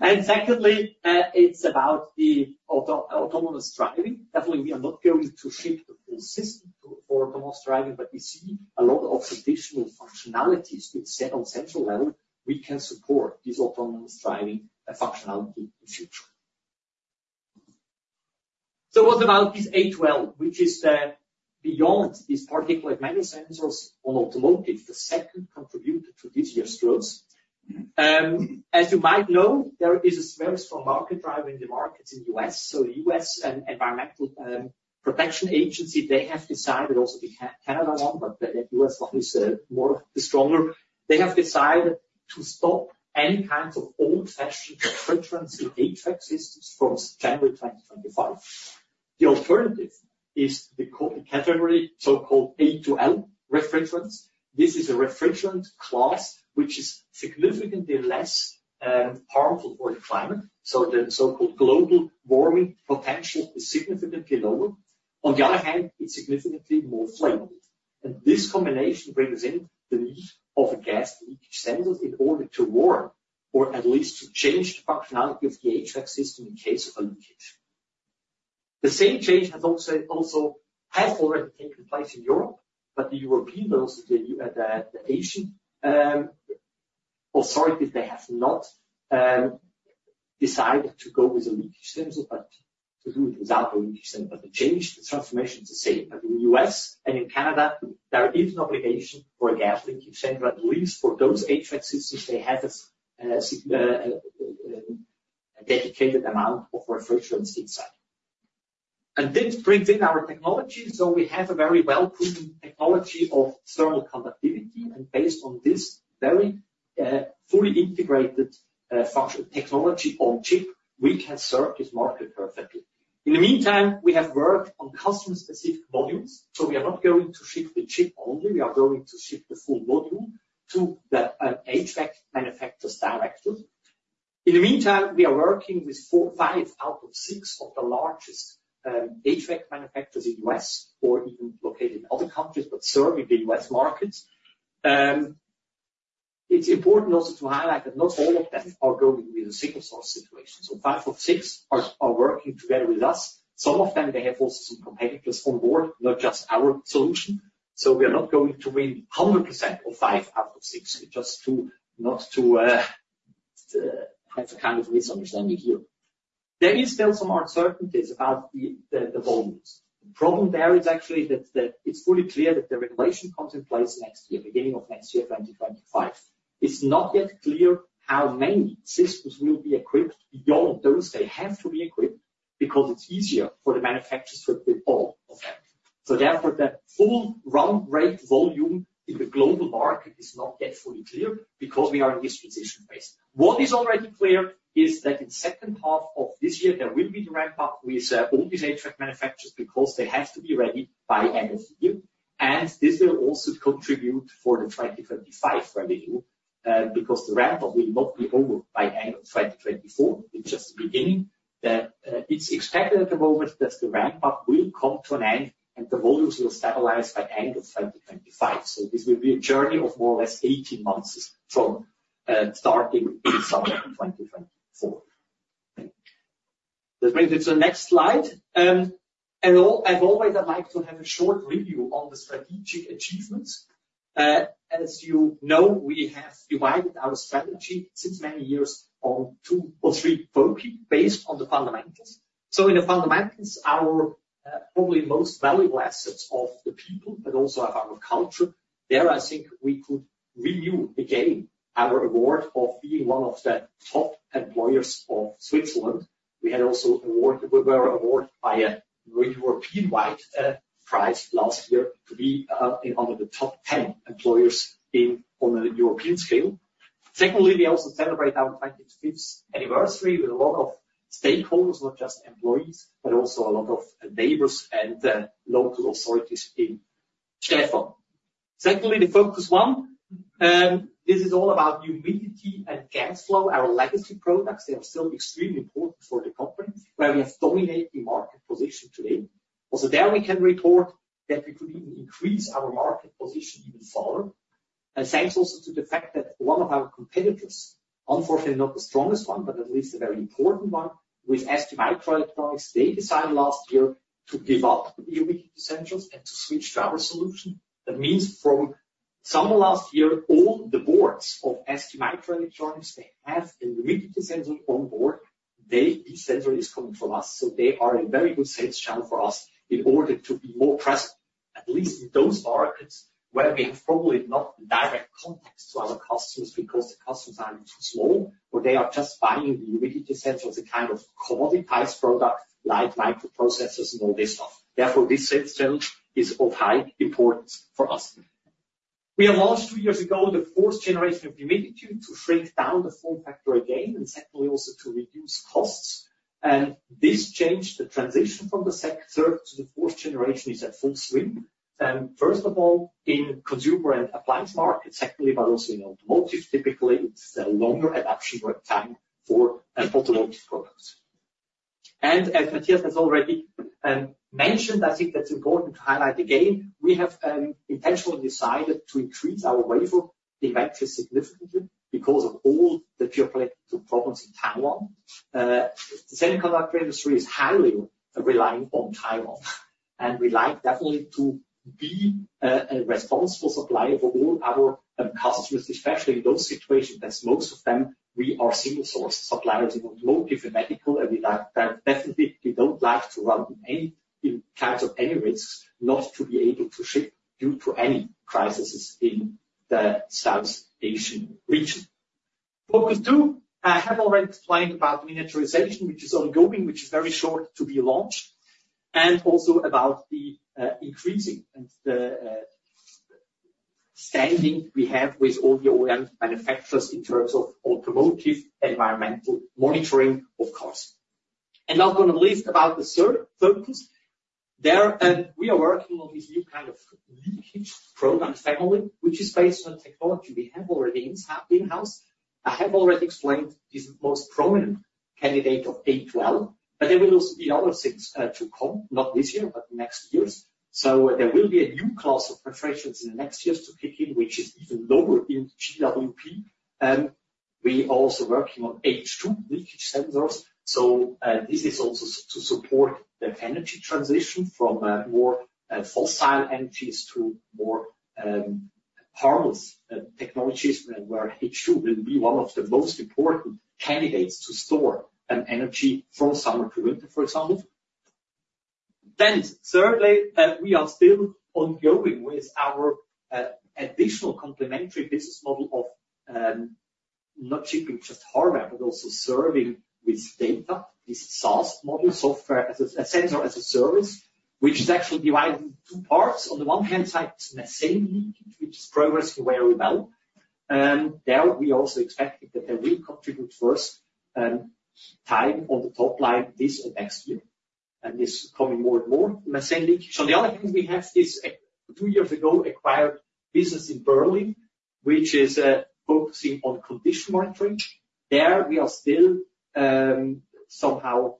And secondly, it's about the autonomous driving. Definitely, we are not going to ship the full system to for autonomous driving, but we see a lot of additional functionalities to set on central level. We can support this autonomous driving functionality in future. So what about this A2L, which is, beyond these particulate matter sensors on automotive, the second contributor to this year's growth? As you might know, there is a very strong market drive in the markets in the U.S. So the U.S. Environmental Protection Agency, they have decided also the Canada one, but the U.S. one is more the stronger. They have decided to stop any kinds of old-fashioned refrigerants in HVAC systems from January 2025. The alternative is the category so-called A2L refrigerants. This is a refrigerant class which is significantly less harmful for the climate. So the so-called global warming potential is significantly lower. On the other hand, it's significantly more flammable. And this combination brings in the need of a gas leakage sensor in order to warn or at least to change the functionality of the HVAC system in case of a leakage. The same change has also already taken place in Europe, but the European but also the Asian authorities, they have not decided to go with a leakage sensor, but to do it without a leakage sensor. But the change, the transformation is the same. But in the U.S. and in Canada, there is an obligation for a gas leakage sensor, at least for those HVAC systems. They have a, a dedicated amount of refrigerants inside. And this brings in our technology. So we have a very well-proven technology of thermal conductivity. And based on this very, fully integrated, function technology on chip, we can serve this market perfectly. In the meantime, we have worked on customer-specific modules. So we are not going to ship the chip only. We are going to ship the full module to the HVAC manufacturers directly. In the meantime, we are working with four or five out of six of the largest HVAC manufacturers in the U.S. or even located in other countries, but serving the U.S. markets. It's important also to highlight that not all of them are going with a single-source situation. So five of six are working together with us. Some of them, they have also some competitors on board, not just our solution. So we are not going to win 100% of five out of six, just to not have a kind of misunderstanding here. There is still some uncertainties about the volumes. The problem there is actually that it's fully clear that the regulation comes in place next year, beginning of next year, 2025. It's not yet clear how many systems will be equipped beyond those they have to be equipped because it's easier for the manufacturers to equip all of them. So therefore, the full run rate volume in the global market is not yet fully clear because we are in this transition phase. What is already clear is that in the second half of this year, there will be the ramp-up with all these HVAC manufacturers because they have to be ready by end of the year. This will also contribute for the 2025 revenue, because the ramp-up will not be over by end of 2024. It's just the beginning. It's expected at the moment that the ramp-up will come to an end and the volumes will stabilize by end of 2025. This will be a journey of more or less 18 months from, starting in summer 2024. That brings me to the next slide. And, as always, I'd like to have a short review on the strategic achievements. As you know, we have divided our strategy since many years on two or three focus based on the fundamentals. So in the fundamentals, our probably most valuable assets are the people, but also our culture. There, I think we could renew again our award of being one of the top employers of Switzerland. We were awarded by a European-wide prize last year to be in the top 10 employers on the European scale. Secondly, we also celebrated our 25th anniversary with a lot of stakeholders, not just employees, but also a lot of neighbors and local authorities in Stäfa. Secondly, the focus one, this is all about humidity and gas flow, our legacy products. They are still extremely important for the company where we have dominated the market position today. Also there, we can report that we could even increase our market position even further. And thanks also to the fact that one of our competitors, unfortunately not the strongest one, but at least a very important one, STMicroelectronics, they decided last year to give up the humidity sensors and to switch to our solution. That means from summer last year, all the boards of STMicroelectronics, they have a humidity sensor on board. That this sensor is coming from us. So they are a very good sales channel for us in order to be more present, at least in those markets where we have probably not the direct contacts to our customers because the customers are too small or they are just buying the humidity sensor as a kind of commoditized product like microprocessors and all this stuff. Therefore, this sales channel is of high importance for us. We have launched two years ago the fourth generation of humidity to shrink down the form factor again and secondly also to reduce costs. And this changed the transition from the third to the fourth generation is at full swing. First of all, in consumer and appliance markets, secondly, but also in automotive, typically, it's a longer adoption time for automotive products. And as Matthias has already mentioned, I think that's important to highlight again, we have intentionally decided to increase our wafer inventories significantly because of all the geopolitical problems in Taiwan. The semiconductor industry is highly reliant on Taiwan. And we like definitely to be a responsible supplier for all our customers, especially in those situations as most of them, we are single-source suppliers in automotive and medical. We definitely don't like to run in any kinds of risks, not to be able to ship due to any crises in the South Asian region. Focus two, I have already explained about miniaturization, which is ongoing, which is very short to be launched. And also about the increasing and the standing we have with all the OEM manufacturers in terms of automotive environmental monitoring of cars. And now I'm going to list about the third focus. There, we are working on this new kind of leakage program family, which is based on a technology we have already in-house. I have already explained this most prominent candidate of A2L, but there will also be other things to come, not this year, but next years. So, there will be a new class of refrigerants in the next years to kick in, which is even lower in GWP. We are also working on H2 leakage sensors. So, this is also to support the energy transition from more fossil energies to more harmless technologies where H2 will be one of the most important candidates to store energy from summer to winter, for example. Then thirdly, we are still ongoing with our additional complementary business model of not shipping just hardware, but also serving with data, this SaaS model, software as a sensor as a service, which is actually divided in two parts. On the one hand side, it's methane leakage, which is progressing very well. There, we also expected that there will contribute first time on the top line this or next year. And it's coming more and more, methane leakage. On the other hand, we have this two years ago acquired business in Berlin, which is focusing on condition monitoring. There, we are still somehow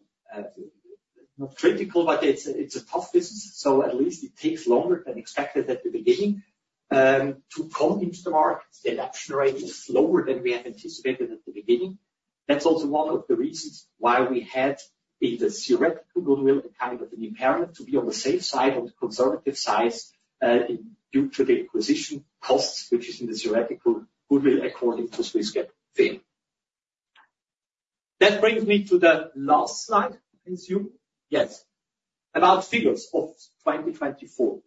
not critical, but it's a tough business. So at least it takes longer than expected at the beginning to come into the market. The adoption rate is slower than we had anticipated at the beginning. That's also one of the reasons why we had in the theoretical goodwill a kind of an impairment to be on the safe side, on the conservative side, due to the acquisition costs, which is in the theoretical goodwill according to Swiss GAAP FER. That brings me to the last slide, I assume. Yes. About figures of 2024.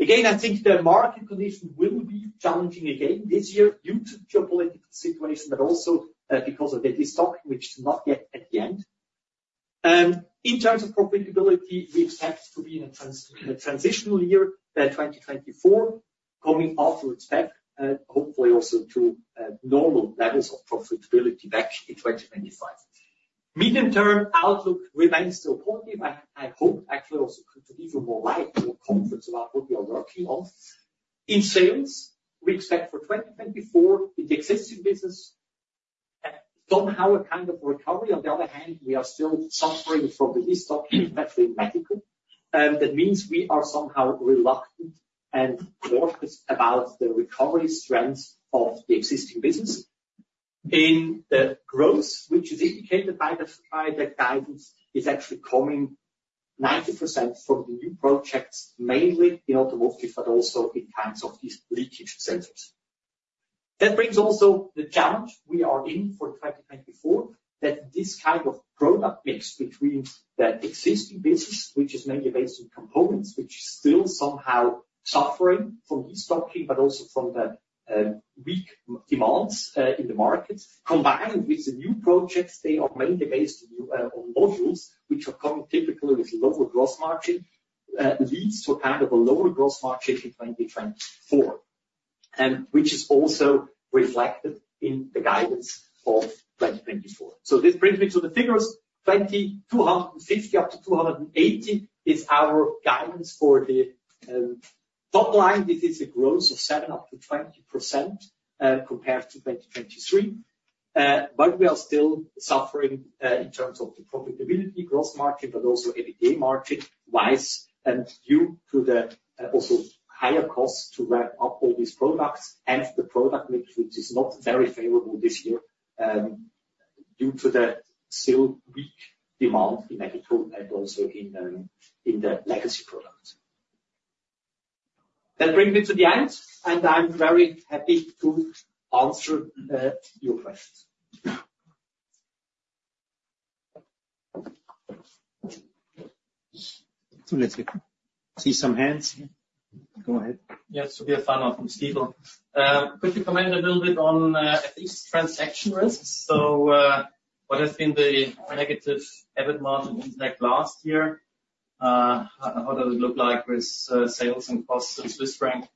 Again, I think the market condition will be challenging again this year due to the geopolitical situation, but also because of the disruption, which is not yet at the end. In terms of profitability, we expect to be in a transitional year, 2024, coming off to expect, hopefully also to, normal levels of profitability back in 2025. Medium-term outlook remains still positive. I hoped actually also to give you more light, more confidence about what we are working on. In sales, we expect for 2024, in the existing business, somehow a kind of recovery. On the other hand, we are still suffering from the destock, especially in medical. That means we are somehow reluctant and cautious about the recovery strength of the existing business. In the growth, which is indicated by the guidance, is actually coming 90% from the new projects, mainly in automotive, but also in kinds of these leakage sensors. That brings also the challenge we are in for 2024, that this kind of product mix between the existing business, which is mainly based on components, which is still somehow suffering from de-stocking, but also from the weak demand in the market, combined with the new projects, they are mainly based on modules, which are coming typically with lower gross margin, leads to a kind of a lower gross margin in 2024, which is also reflected in the guidance of 2024. So this brings me to the figures. 202.5 million-280 million is our guidance for the top line. This is a growth of 7%-20%, compared to 2023. We are still suffering, in terms of the profitability, gross margin, but also EBITDA margin-wise, due to the, also higher costs to ramp up all these products and the product mix, which is not very favorable this year, due to the still weak demand in medical and also in, in the legacy products. That brings me to the end. And I'm very happy to answer, your questions. So let's see some hands here. Go ahead. Yes, Tobias Fahrenholz from Stifel. Could you comment a little bit on, at least transaction risks? So, what has been the negative EBIT margin impact last year? How does it look like with, sales and costs in Swiss franc?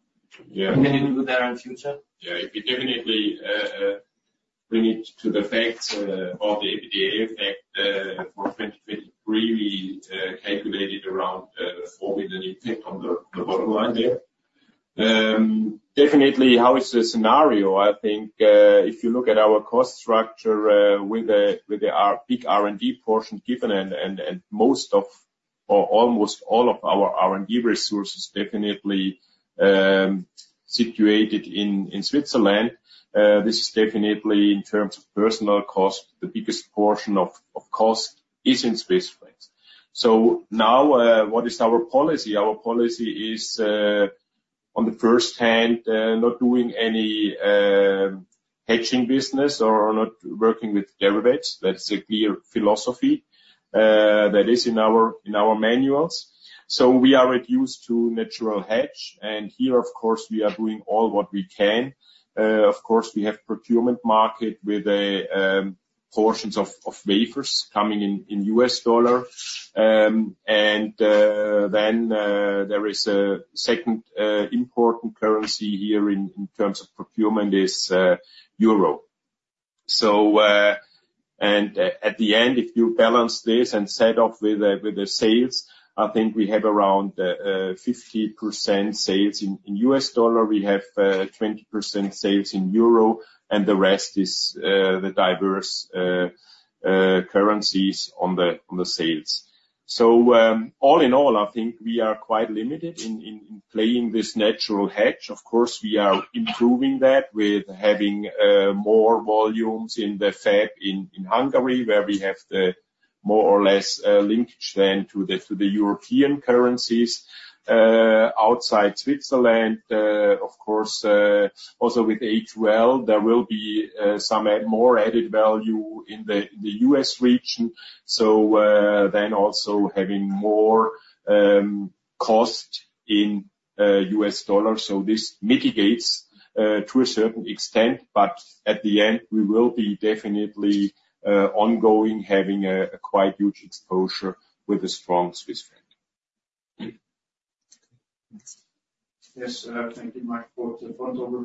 Yeah. What can you do there in future? Yeah, we definitely, bring it to the facts, or the EBITDA effect, for 2023, we, calculated around, 4 million impact on the on the bottom line there. Definitely, how is the scenario? I think, if you look at our cost structure, with our big R&D portion given and most of, or almost all of, our R&D resources definitely situated in Switzerland, this is definitely in terms of personnel cost, the biggest portion of cost is in Swiss francs. So now, what is our policy? Our policy is, on the first hand, not doing any hedging business or not working with derivatives. That's a clear philosophy, that is in our manuals. So we are reduced to natural hedge. And here, of course, we are doing all what we can. Of course, we have procurement market with portions of wafers coming in US dollar. And then, there is a second important currency here in terms of procurement: euro. At the end, if you balance this and set off with the sales, I think we have around 50% sales in U.S. dollar. We have 20% sales in euro. And the rest is the diverse currencies on the sales. So, all in all, I think we are quite limited in playing this natural hedge. Of course, we are improving that with having more volumes in the Fed in Hungary where we have the more or less linkage to the European currencies outside Switzerland. Of course, also with A2L, there will be some more added value in the U.S. region. So, then also having more cost in U.S. dollar. So this mitigates to a certain extent. But at the end, we will be definitely ongoing having a quite huge exposure with a strong Swiss franc. Yes, thank you, Marc, for the phone call.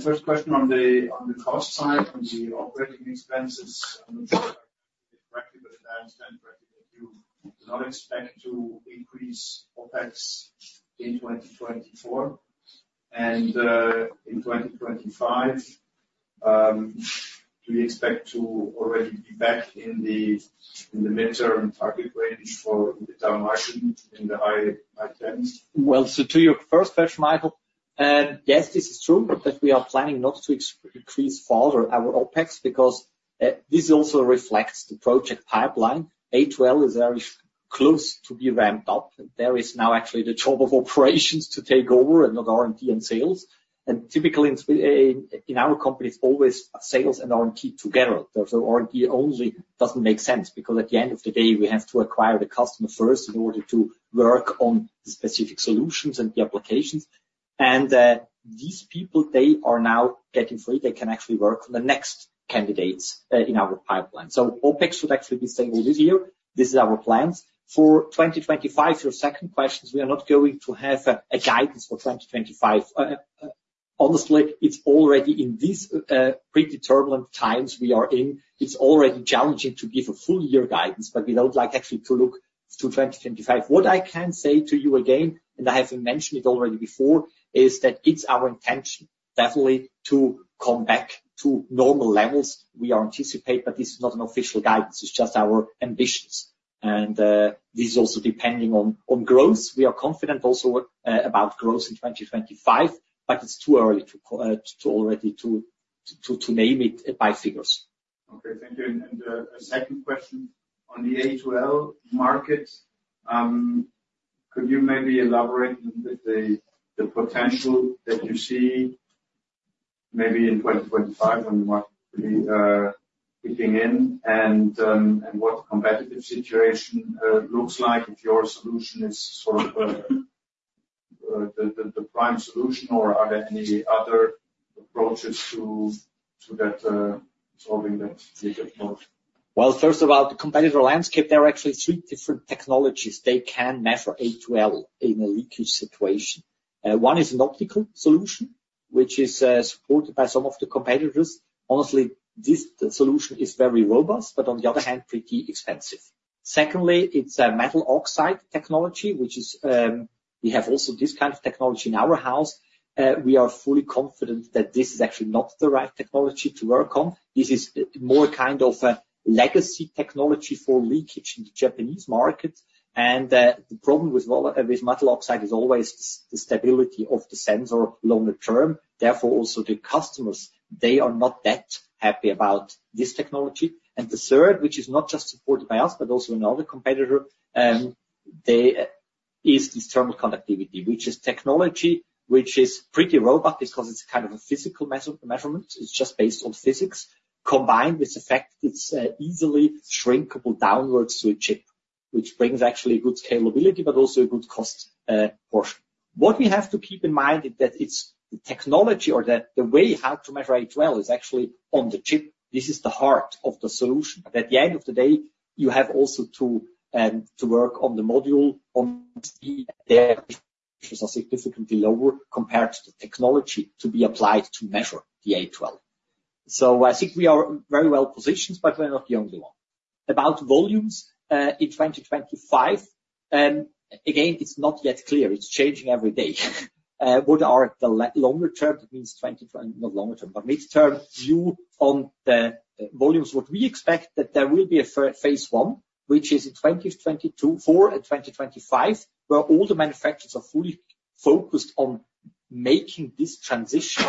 First question on the cost side, on the operating expenses, I'm not sure if I'm correct, but if I understand correctly, that you do not expect to increase OpEx in 2024. In 2025, do you expect to already be back in the mid-term target range for the EBITDA margin in the high teens? Well, so to your first question, Michael, yes, this is true that we are planning not to increase further our OpEx because this also reflects the project pipeline. H12 is very close to be ramped up. There is now actually the job of operations to take over and not R&D and sales. And typically in our company, it's always sales and R&D together. So R&D only doesn't make sense because at the end of the day, we have to acquire the customer first in order to work on the specific solutions and the applications. These people, they are now getting free. They can actually work on the next candidates, in our pipeline. So OpEx would actually be stable this year. This is our plans for 2025. Your second question, we are not going to have a guidance for 2025. Honestly, it's already in this predetermined times we are in. It's already challenging to give a full year guidance, but we don't like actually to look to 2025. What I can say to you again, and I haven't mentioned it already before, is that it's our intention, definitely, to come back to normal levels. We anticipate, but this is not an official guidance. It's just our ambitions. This is also depending on growth. We are also confident about growth in 2025, but it's too early to already name it by figures Okay, thank you. A second question on the A2L market. Could you maybe elaborate a little bit on the potential that you see maybe in 2025 when the market will be kicking in and what the competitive situation looks like if your solution is sort of the prime solution, or are there any other approaches to solving that leakage model? Well, first of all, the competitor landscape, there are actually three different technologies. They can measure A2L in a leakage situation. One is an optical solution, which is supported by some of the competitors. Honestly, this solution is very robust, but on the other hand, pretty expensive. Secondly, it's a metal oxide technology, which is, we have also this kind of technology in our house. We are fully confident that this is actually not the right technology to work on. This is more kind of a legacy technology for leakage in the Japanese market. The problem with metal oxide is always the stability of the sensor longer term. Therefore, also the customers, they are not that happy about this technology. The third, which is not just supported by us, but also another competitor, they, is this thermal conductivity, which is technology which is pretty robust because it's kind of a physical measurement. It's just based on physics, combined with the fact that it's, easily shrinkable downwards to a chip, which brings actually good scalability, but also a good cost, portion. What we have to keep in mind is that it's the technology or the way how to measure H12 is actually on the chip. This is the heart of the solution. But at the end of the day, you have also to work on the module. To see that their efficiencies are significantly lower compared to the technology to be applied to measure the H12. So I think we are very well positioned, but we're not the only one. About volumes, in 2025, again, it's not yet clear. It's changing every day. What are the longer term? That means no, not longer term, but mid-term view on the volumes, what we expect that there will be a phase one, which is in 2024 and 2025, where all the manufacturers are fully focused on making this transition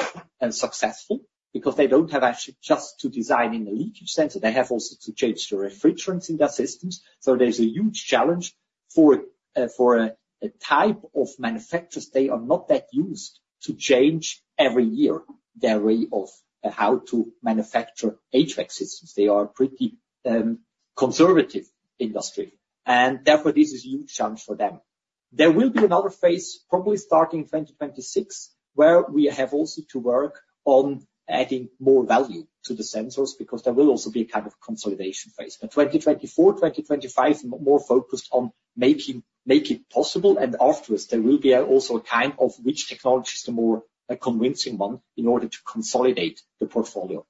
successful because they don't have actually just to design in a leakage sensor. They have also to change the refrigerants in their systems. So there's a huge challenge for a type of manufacturers. They are not that used to change every year their way of how to manufacture HVAC systems. They are a pretty conservative industry. And therefore, this is a huge challenge for them. There will be another phase, probably starting in 2026, where we have also to work on adding more value to the sensors because there will also be a kind of consolidation phase. But 2024, 2025, more focused on making it possible. Afterwards, there will be also a kind of which technology is the more convincing one in order to consolidate the portfolio.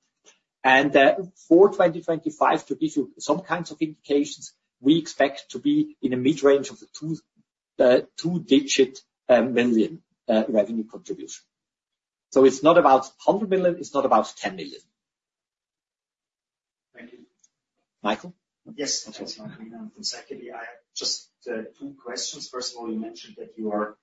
For 2025, to give you some kinds of indications, we expect to be in a mid-range of the two two-digit million revenue contribution. So it's not about 100 million. It's not about 10 million. Thank you. Michael? Yes, that's all. And secondly, I have just two questions. First of all, you mentioned that you are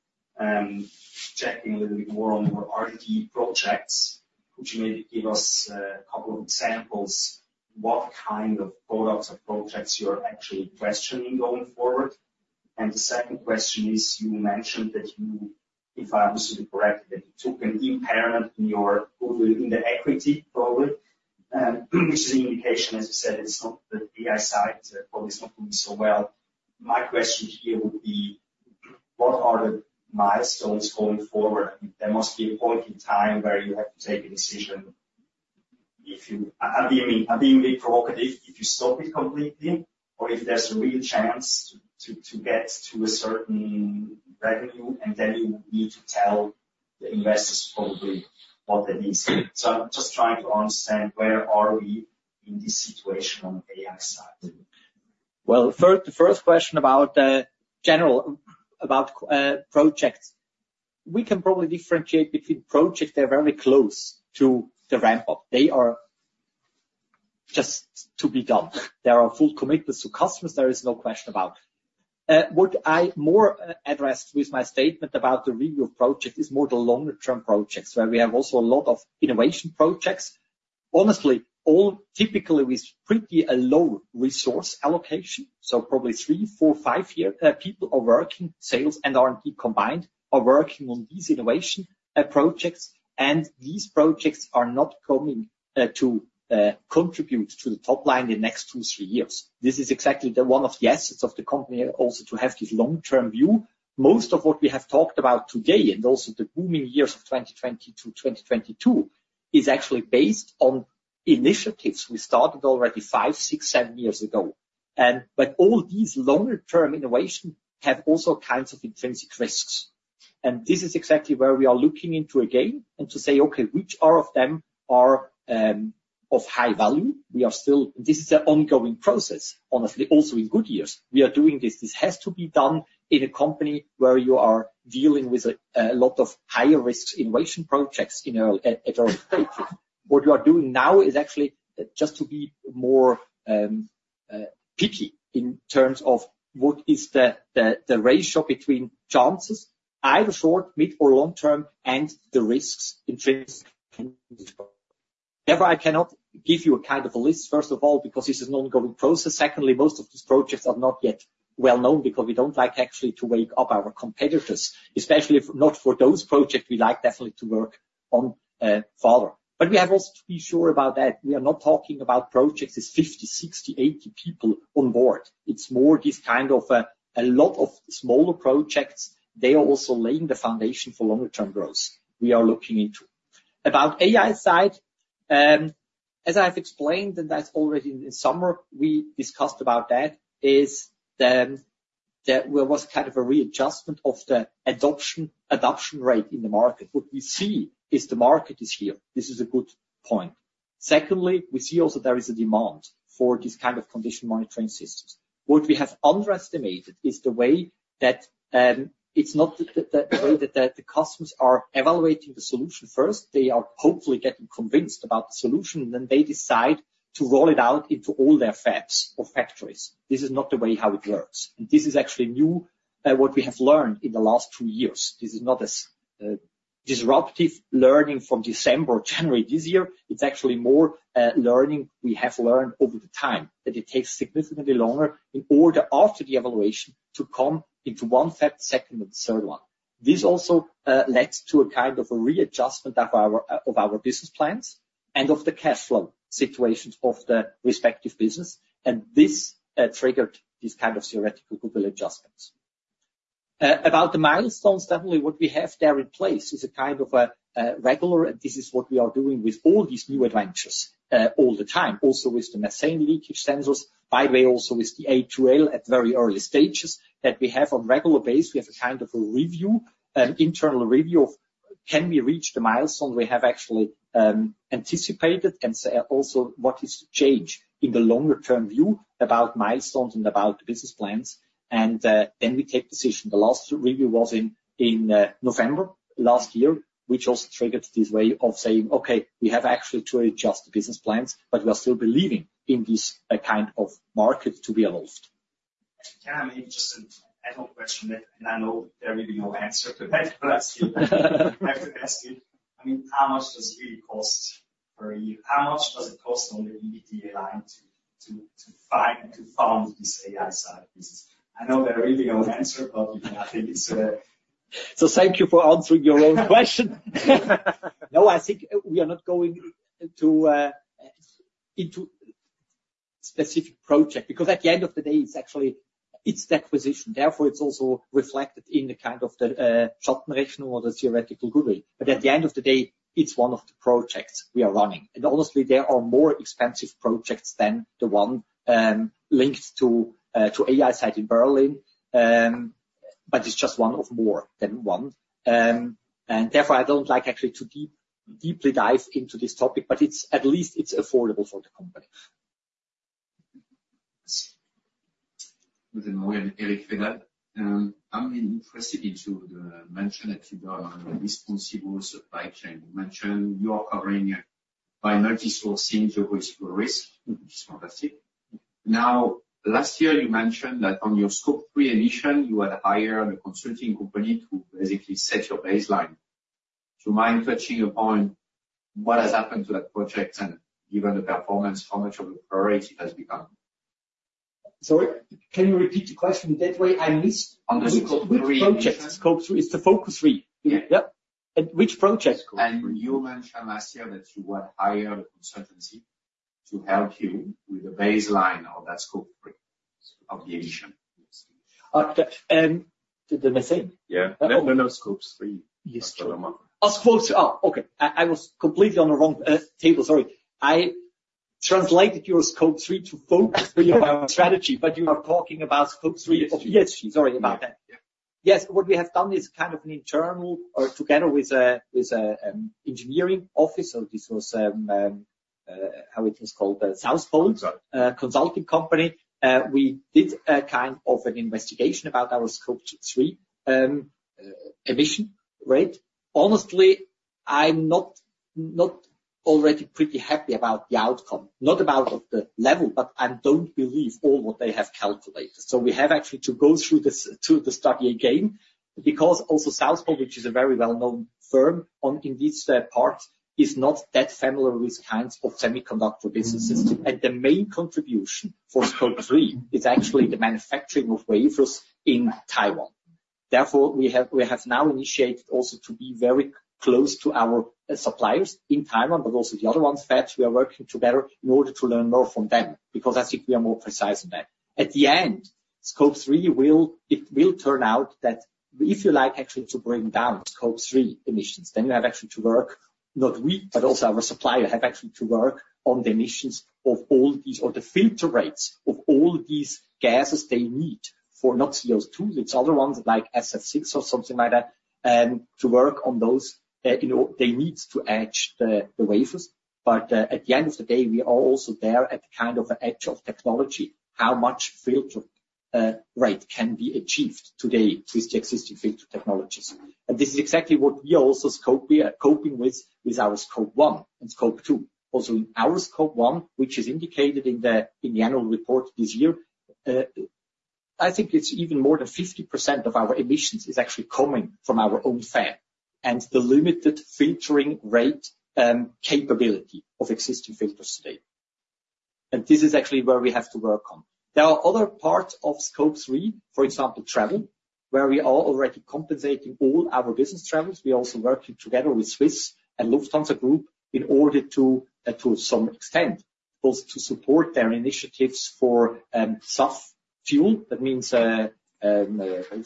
checking a little bit more on your R&D projects. Could you maybe give us a couple of examples what kind of products or projects you are actually questioning going forward? The second question is, you mentioned that you, if I understood you correctly, that you took an impairment in your goodwill in the equity, probably, which is an indication, as you said, it's not the AiSight, probably it's not doing so well. My question here would be, what are the milestones going forward? There must be a point in time where you have to take a decision if you are being a bit provocative, if you stop it completely, or if there's a real chance to get to a certain revenue, and then you would need to tell the investors probably what that is. So I'm just trying to understand where are we in this situation on the AiSight? Well, first, the first question about general about projects. We can probably differentiate between projects. They're very close to the ramp-up. They are just to be done. There are full commitments to customers. There is no question about what I more addressed with my statement about the review of projects is more the longer-term projects where we have also a lot of innovation projects. Honestly, all typically, we're pretty low-resource allocation. So probably three, four, five-year people are working, sales and R&D combined, are working on these innovation projects. And these projects are not coming to contribute to the top line in the next two, three years. This is exactly the one of the assets of the company, also to have this long-term view. Most of what we have talked about today and also the booming years of 2020 to 2022 is actually based on initiatives we started already five, six, seven years ago. But all these longer-term innovations have also kinds of intrinsic risks. This is exactly where we are looking into again and to say, "Okay, which of them are of high value?" We are still, and this is an ongoing process, honestly, also in good years. We are doing this. This has to be done in a company where you are dealing with a lot of higher-risk innovation projects in early stages. What you are doing now is actually just to be more picky in terms of what is the ratio between chances, either short-, mid-, or long-term, and the risks, intrinsic and inexplicable. Therefore, I cannot give you a kind of a list, first of all, because this is an ongoing process. Secondly, most of these projects are not yet well-known because we don't like actually to wake up our competitors, especially if not for those projects. We like definitely to work on further. We have also to be sure about that. We are not talking about projects as 50, 60, 80 people on board. It's more this kind of a lot of smaller projects. They are also laying the foundation for longer-term growth we are looking into. About AiSight, as I have explained, and that's already in summer, we discussed about that, is that there was kind of a readjustment of the adoption rate in the market. What we see is the market is here. This is a good point. Secondly, we see also there is a demand for this kind of condition monitoring systems. What we have underestimated is the way that it's not the way that the customers are evaluating the solution first. They are hopefully getting convinced about the solution, and then they decide to roll it out into all their fabs or factories. This is not the way how it works. This is actually new, what we have learned in the last two years. This is not a disruptive learning from December or January this year. It's actually more learning we have learned over the time that it takes significantly longer in order after the evaluation to come into one fab, second, and third one. This also led to a kind of a readjustment of our business plans and of the cash flow situations of the respective business. This triggered these kind of theoretical goodwill adjustments. About the milestones, definitely, what we have there in place is a kind of a regular, and this is what we are doing with all these new adventures all the time, also with the Methane Leakage Sensors. By the way, also with the H12 at very early stages that we have on a regular basis, we have a kind of a review, internal review of, "Can we reach the milestone we have actually anticipated?" And also what is to change in the longer-term view about milestones and about the business plans. And then we take decision. The last review was in November last year, which also triggered this way of saying, "Okay, we have actually to adjust the business plans, but we are still believing in this kind of market to be evolved." Can I maybe just add an add-on question, and I know there may be no answer to that, but I still have to ask you. I mean, how much does it really cost per year? How much does it cost on the EBITDA line to found this AiSight business? I know there's really no answer, but I think it's a. So thank you for answering your own question. No, I think we are not going to go into specific projects because at the end of the day, it's actually the acquisition. Therefore, it's also reflected in the kind of the Schattenrechnung or the theoretical goodwill. But at the end of the day, it's one of the projects we are running. And honestly, there are more expensive projects than the one linked to AiSight in Berlin, but it's just one of more than one. And therefore, I don't like actually to deeply dive into this topic, but it's at least affordable for the company. Within more than Eric Fedal. I'm impressed into the mention that you don't have a responsible supply chain. You mentioned you are covering by multisourcing the risk, which is fantastic. Now, last year, you mentioned that on your Scope Three emission, you had hired a consulting company to basically set your baseline. Do you mind touching upon what has happened to that project and given the performance, how much of a priority it has become? Sorry, can you repeat the question that way? I missed which Scope Three project. Scope Three is the focus three. Yeah. Yeah. And which project Scope Three? And you mentioned last year that you had hired a consultancy to help you with the baseline of that Scope Three of the emission. The Methane? Yeah. No, no, no. Scope Three. Yes, sir. Oh, okay. I was completely on the wrong table. Sorry. I translated your scope three to focus for your strategy, but you are talking about scope three. Yes, sorry about that. Yes, what we have done is kind of an internal or together with an engineering office. So this was, how it was called? South Pole Consulting Company. We did a kind of an investigation about our scope three emission rate. Honestly, I'm not already pretty happy about the outcome, not about the level, but I don't believe all what they have calculated. So we have actually to go through this, the study again because also South Pole, which is a very well-known firm indeed on their part, is not that familiar with kinds of semiconductor businesses. And the main contribution for scope three is actually the manufacturing of wafers in Taiwan. Therefore, we have now initiated also to be very close to our suppliers in Taiwan, but also the other ones, fabs. We are working together in order to learn more from them because I think we are more precise in that. At the end, Scope Three will turn out that if you like actually to bring down Scope Three emissions, then you have actually to work not we, but also our supplier have actually to work on the emissions of all these or the filter rates of all these gases they need for not CO2. It's other ones like SF6 or something like that, to work on those, in order they need to etch the wafers. But at the end of the day, we are also there at the kind of edge of technology, how much filter rate can be achieved today with the existing filter technologies. This is exactly what we are also the scope we are coping with our Scope 1 and Scope 2. Also in our Scope 1, which is indicated in the annual report this year, I think it's even more than 50% of our emissions is actually coming from our own fab and the limited filtering rate capability of existing filters today. This is actually where we have to work on. There are other parts of Scope 3, for example, travel, where we are already compensating all our business travels. We are also working together with Swiss and Lufthansa Group in order to, to some extent, also to support their initiatives for sustainable fuel. That means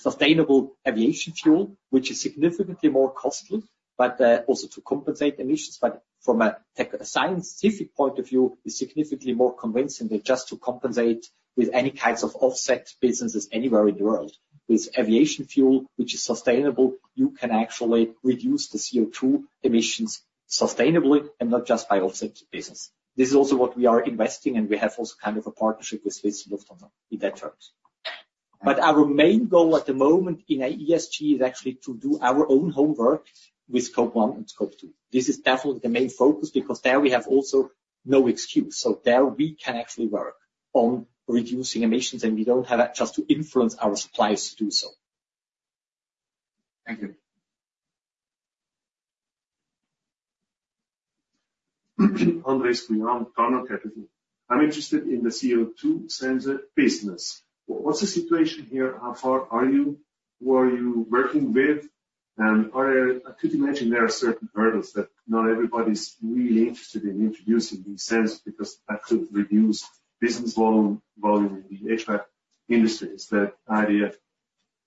sustainable aviation fuel, which is significantly more costly, but also to compensate emissions. But from a technical and scientific point of view, it's significantly more convincing than just to compensate with any kinds of offset businesses anywhere in the world. With aviation fuel, which is sustainable, you can actually reduce the CO2 emissions sustainably and not just by offset business. This is also what we are investing, and we have also kind of a partnership with Swiss and Lufthansa in those terms. But our main goal at the moment in ESG is actually to do our own homework with scope one and scope two. This is definitely the main focus because there we have also no excuse. So there we can actually work on reducing emissions, and we don't have just to influence our suppliers to do so. Thank you. Andreas Guillaume, Turner Academy. I'm interested in the CO2 sensor business. What's the situation here? How far are you? Who are you working with? And are there, I could imagine, there are certain hurdles that not everybody's really interested in introducing these sensors because that could reduce business volume volume in the HVAC industry. Is that idea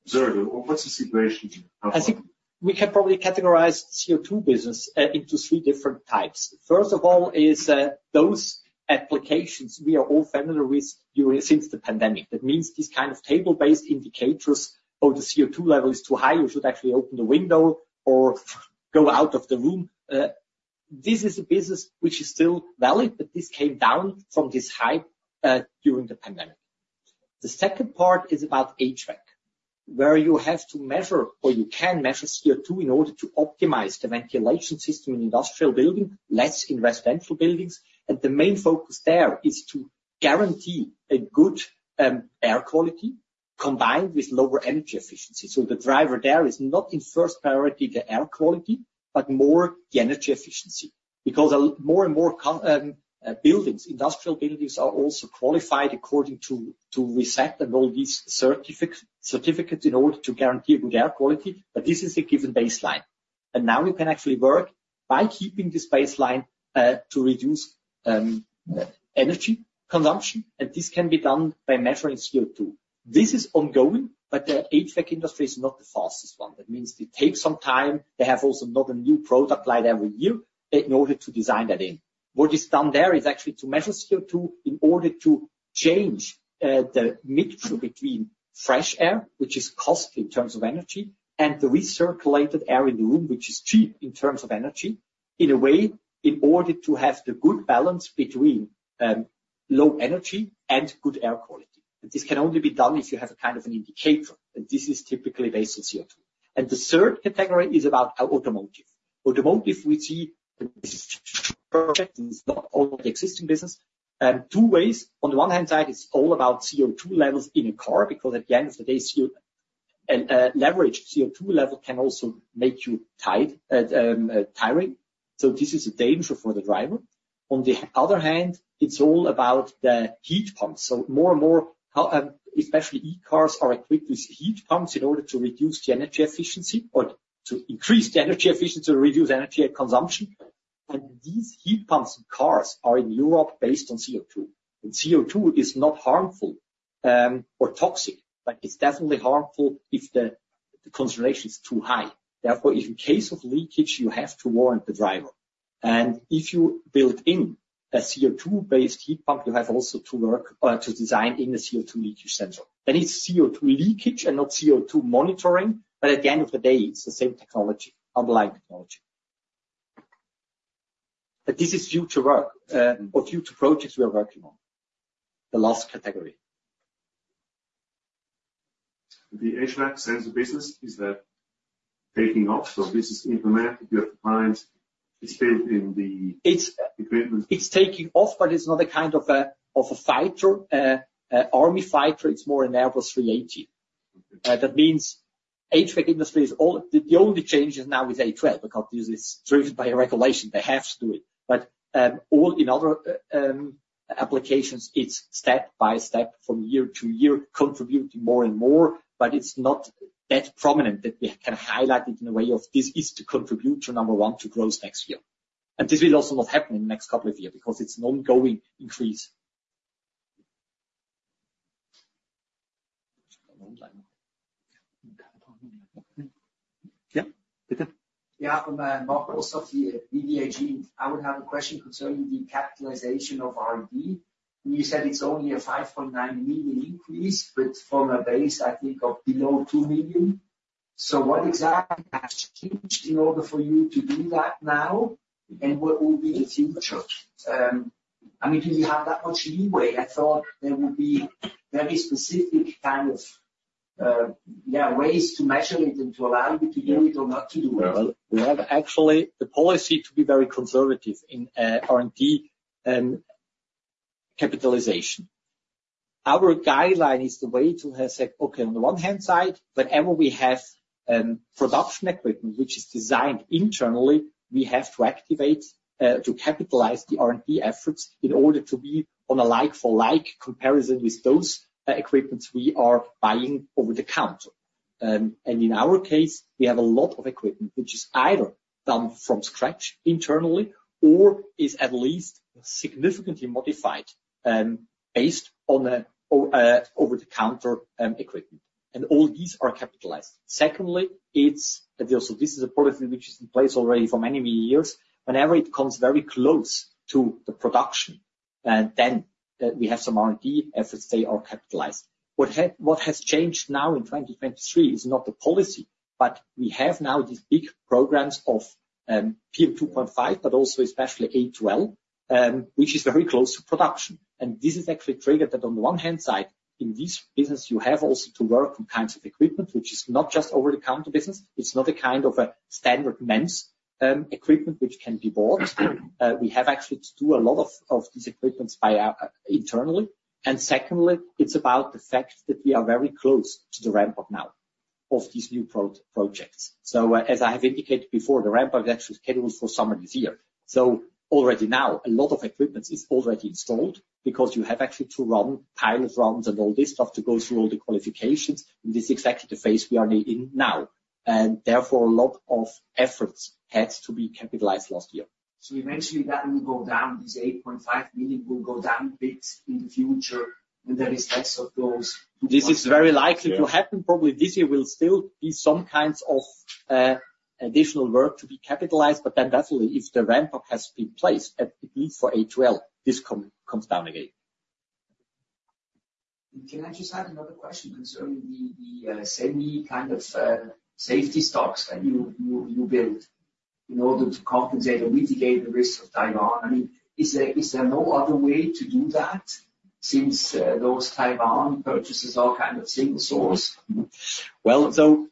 observable, or what's the situation here? I think we can probably categorize CO2 business into three different types. First of all is those applications we are all familiar with during since the pandemic. That means these kind of table-based indicators, "Oh, the CO2 level is too high. You should actually open the window or go out of the room." This is a business which is still valid, but this came down from this hype during the pandemic. The second part is about HVAC, where you have to measure or you can measure CO2 in order to optimize the ventilation system in industrial buildings, less in residential buildings. The main focus there is to guarantee a good air quality combined with lower energy efficiency. So the driver there is not in first priority the air quality, but more the energy efficiency because more and more commercial buildings, industrial buildings, are also qualified according to RESET and all these certificates in order to guarantee a good air quality. But this is a given baseline. Now we can actually work by keeping this baseline to reduce energy consumption. And this can be done by measuring CO2. This is ongoing, but the HVAC industry is not the fastest one. That means it takes some time. They have also not a new product line every year in order to design that in. What is done there is actually to measure CO2 in order to change the mixture between fresh air, which is costly in terms of energy, and the recirculated air in the room, which is cheap in terms of energy, in a way in order to have the good balance between low energy and good air quality. And this can only be done if you have a kind of an indicator. And this is typically based on CO2. And the third category is about automotive. Automotive, we see this is a project. It's not all the existing business. Two ways. On the one hand side, it's all about CO2 levels in a car because at the end of the day, high CO2 level can also make you tired, tiring. This is a danger for the driver. On the other hand, it's all about the heat pumps. More and more how, especially e-cars are equipped with heat pumps in order to reduce the energy efficiency or to increase the energy efficiency or reduce energy consumption. These heat pumps in cars are in Europe based on CO2. And CO2 is not harmful, or toxic, but it's definitely harmful if the concentration is too high. Therefore, if in case of leakage, you have to warn the driver. And if you build in a CO2-based heat pump, you have also to work, to design in the CO2 leakage sensor. Then it's CO2 leakage and not CO2 monitoring, but at the end of the day, it's the same technology, underlying technology. But this is future work, or future projects we are working on, the last category. The HVAC sensor business, is that taking off? So this is implemented. You have to find it's built in the equipment. It's taking off, but it's not a kind of a of a fighter, army fighter. It's more an Airbus 380. That means HVAC industry is all the only change is now with A2L because this is driven by a regulation. They have to do it. But all in other applications, it's step by step from year to year, contributing more and more, but it's not that prominent that we can highlight it in a way of, "This is to contribute to number one to growth next year." And this will also not happen in the next couple of years because it's an ongoing increase. From Marcos of the BVAG, I would have a question concerning the capitalization of R&D. You said it's only a 5.9 million increase, but from a base, I think, of below 2 million. So what exactly has changed in order for you to do that now, and what will be the future? I mean, do you have that much leeway? I thought there would be very specific kind of, yeah, ways to measure it and to allow you to do it or not to do it. Well, we have actually the policy to be very conservative in R&D capitalization. Our guideline is the way to have said, "Okay, on the one hand side, whenever we have production equipment which is designed internally, we have to activate, to capitalize the R&D efforts in order to be on a like-for-like comparison with those equipments we are buying over the counter." And in our case, we have a lot of equipment which is either done from scratch internally or is at least significantly modified, based on a over-the-counter equipment. And all these are capitalized. Secondly, it's also this is a policy which is in place already for many, many years. Whenever it comes very close to the production, then we have some R&D efforts. They are capitalized. What has changed now in 2023 is not the policy, but we have now these big programs of PM2.5, but also especially A2L, which is very close to production. This is actually triggered that on the one hand side, in this business, you have also to work on kinds of equipment which is not just over-the-counter business. It's not a kind of a standard MEMS equipment which can be bought. We have actually to do a lot of these equipments internally. And secondly, it's about the fact that we are very close to the ramp-up now of these new pro projects. So, as I have indicated before, the ramp-up is actually scheduled for summer this year. So already now, a lot of equipment is already installed because you have actually to run pilot runs and all this stuff to go through all the qualifications. And this is exactly the phase we are in now. And therefore, a lot of efforts had to be capitalized last year. So you mentioned that will go down. These 8.5 million will go down a bit in the future, and there is less of those to do. This is very likely to happen. Probably this year will still be some kinds of additional work to be capitalized, but then definitely if the ramp-up has been placed, at least for H12, this comes down again. Can I just add another question concerning the semi kind of safety stocks that you build in order to compensate or mitigate the risk of Taiwan? I mean, is there no other way to do that since those Taiwan purchases are kind of single source? Well, so,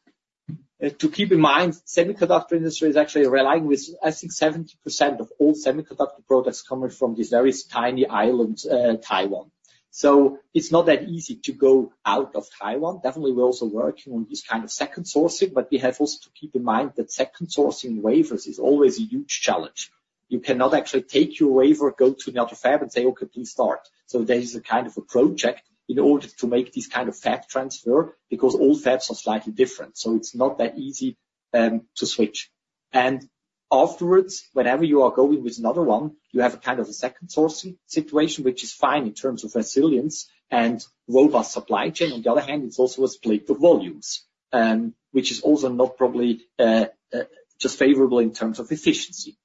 to keep in mind, the semiconductor industry is actually relying with, I think, 70% of all semiconductor products coming from these very tiny islands, Taiwan. So it's not that easy to go out of Taiwan. Definitely, we're also working on this kind of second sourcing, but we have also to keep in mind that second sourcing wafers is always a huge challenge. You cannot actually take your wafer, go to another fab, and say, "Okay, please start." So there is a kind of a project in order to make this kind of fab transfer because all fabs are slightly different. So it's not that easy to switch. And afterwards, whenever you are going with another one, you have a kind of a second sourcing situation, which is fine in terms of resilience and robust supply chain. On the other hand, it's also a split of volumes, which is also not probably just favorable in terms of efficiency.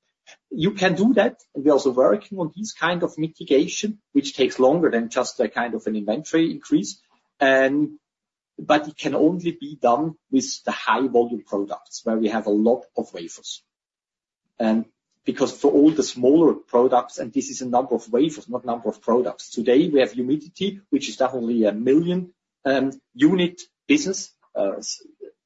You can do that, and we're also working on this kind of mitigation, which takes longer than just a kind of an inventory increase. But it can only be done with the high-volume products where we have a lot of wafers. Because for all the smaller products and this is a number of wafers, not number of products. Today, we have humidity, which is definitely a million unit business.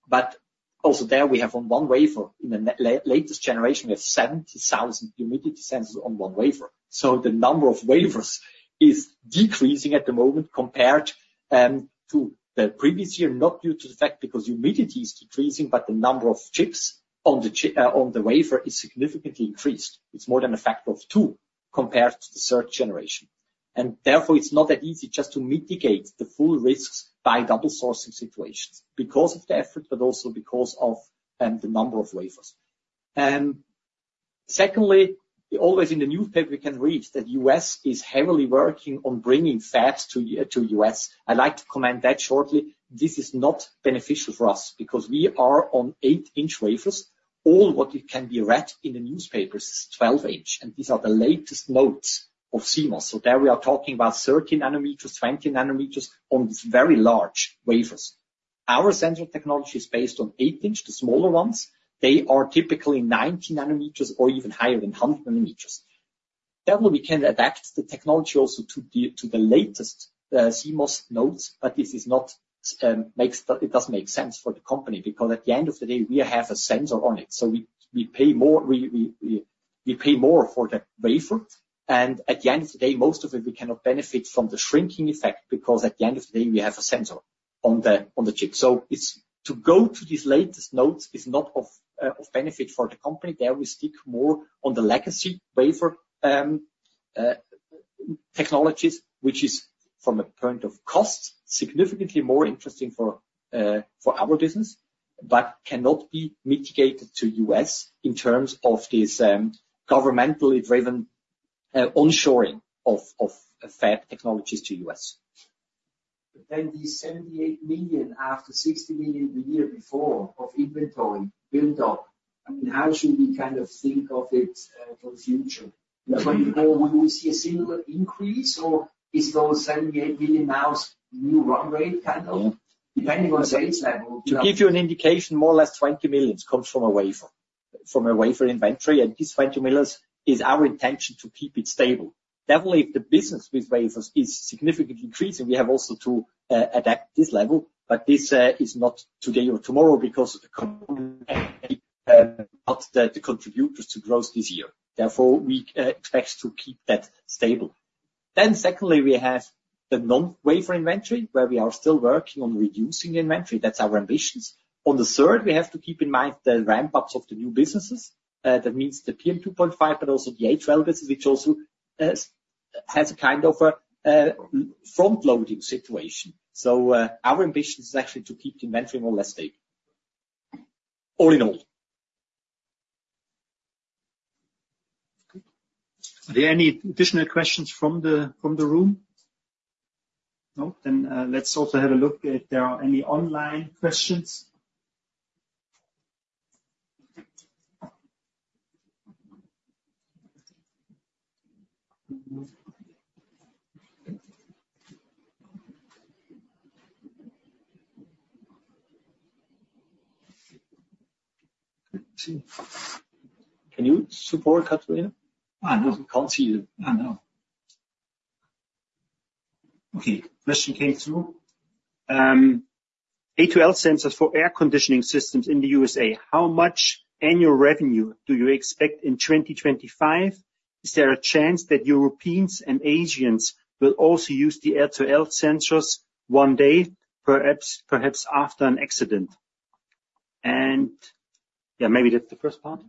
But also there, we have on one wafer in the latest generation, we have 70,000 humidity sensors on one wafer. So the number of wafers is decreasing at the moment compared to the previous year, not due to the fact because humidity is decreasing, but the number of chips on the chip, on the wafer is significantly increased. It's more than a factor of two compared to the third generation. And therefore, it's not that easy just to mitigate the full risks by double sourcing situations because of the effort, but also because of the number of wafers. Secondly, always in the newspaper, we can read that the US is heavily working on bringing fabs to the US. I'd like to comment that shortly. This is not beneficial for us because we are on 8-inch wafers. All what can be read in the newspapers is 12-inch, and these are the latest nodes of CMOS. So there we are talking about 13 nanometers, 20 nanometers on these very large wafers. Our sensor technology is based on 8-inch, the smaller ones. They are typically 90 nanometers or even higher than 100 nanometers. Definitely, we can adapt the technology also to the latest CMOS nodes, but this is not, makes it doesn't make sense for the company because at the end of the day, we have a sensor on it. So we pay more for the wafer. At the end of the day, most of it, we cannot benefit from the shrinking effect because at the end of the day, we have a sensor on the chip. So it's to go to these latest nodes is not of benefit for the company. There we stick more on the legacy wafer technologies, which is from a point of cost significantly more interesting for our business, but cannot be migrated to the US in terms of this governmentally driven onshoring of fab technologies to the U.S. But then these 78 million after 60 million the year before of inventory buildup. I mean, how should we kind of think of it for the future? Yeah. When we go we will see a similar increase, or is it all 78 million now is new run rate, kind of, depending on sales level? To give you an indication, more or less 20 million comes from a wafer, from a wafer inventory. These 20 millions is our intention to keep it stable. Definitely, if the business with wafers is significantly increasing, we have also to adapt this level. But this is not today or tomorrow because the company can't keep not the contributors to growth this year. Therefore, we expect to keep that stable. Then secondly, we have the non-wafer inventory where we are still working on reducing the inventory. That's our ambitions. On the third, we have to keep in mind the ramp-ups of the new businesses, that means the PM2.5, but also the A2L business, which also has a kind of a front-loading situation. So, our ambition is actually to keep the inventory more or less stable, all in all. Are there any additional questions from the room? No? Then, let's also have a look if there are any online questions. Can you support, Catalina? I can't see you. I know. Okay. Question came through. A2L sensors for air conditioning systems in the USA. How much annual revenue do you expect in 2025? Is there a chance that Europeans and Asians will also use the A2L sensors one day, perhaps after an accident? And yeah, maybe that's the first part.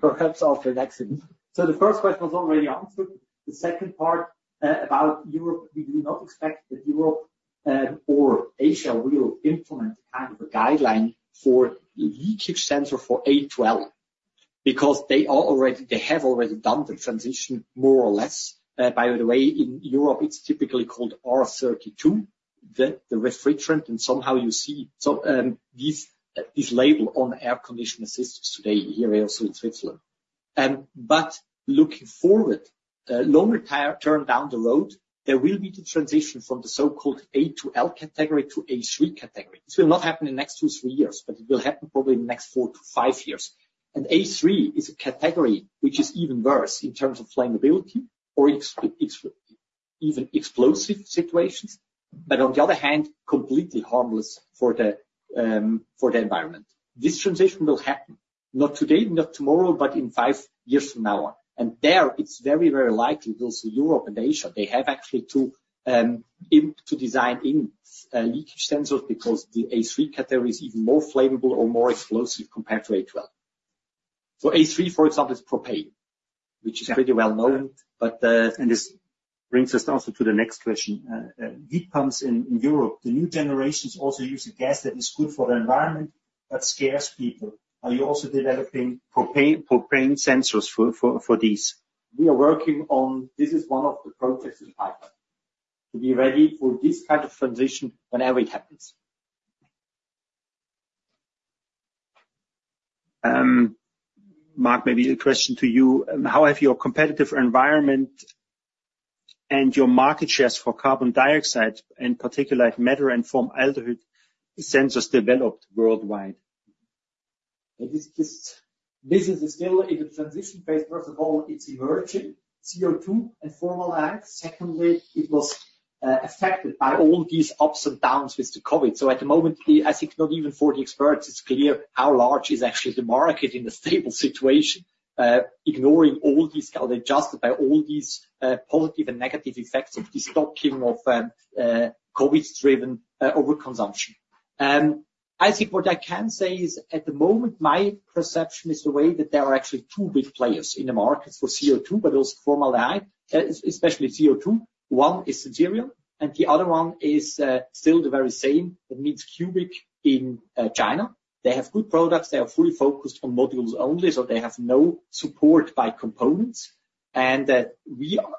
Perhaps after an accident. So the first question was already answered. The second part, about Europe, we do not expect that Europe, or Asia will implement a kind of a guideline for leakage sensor for A2L because they have already done the transition more or less. By the way, in Europe, it's typically called R32, the refrigerant, and somehow you see so these labels on air conditioner systems today here also in Switzerland. Looking forward, longer term down the road, there will be the transition from the so-called A2L category to A3 category. This will not happen in the next two or three years, but it will happen probably in the next four to five years. And A3 is a category which is even worse in terms of flammability or even explosive situations, but on the other hand, completely harmless for the, for the environment. This transition will happen, not today, not tomorrow, but in 5 years from now on. And there, it's very, very likely also Europe and Asia. They have actually to, in to design in, leakage sensors because the A3 category is even more flammable or more explosive compared to A2L. So A3, for example, is propane, which is pretty well known, but. And this brings us also to the next question. Heat pumps in Europe, the new generations also use a gas that is good for the environment but scares people. Are you also developing propane sensors for these? We are working on this. This is one of the projects in pipeline to be ready for this kind of transition whenever it happens. Marc, maybe a question to you. How have your competitive environment and your market shares for carbon dioxide and particulate matter and formaldehyde sensors developed worldwide? It is. Just business is still in the transition phase. First of all, it's emerging CO2 and formaldehyde. Secondly, it was affected by all these ups and downs with the COVID. So at the moment, I think not even for the experts, it's clear how large is actually the market in a stable situation, ignoring all these adjusted by all these, positive and negative effects of the stocking of, COVID-driven, overconsumption. I think what I can say is at the moment, my perception is the way that there are actually two big players in the market for CO2, but also formaldehyde, especially CO2. One is Sensirion, and the other one is, still the very same. That means Cubic in, China. They have good products. They are fully focused on modules only, so they have no support by components. And, we are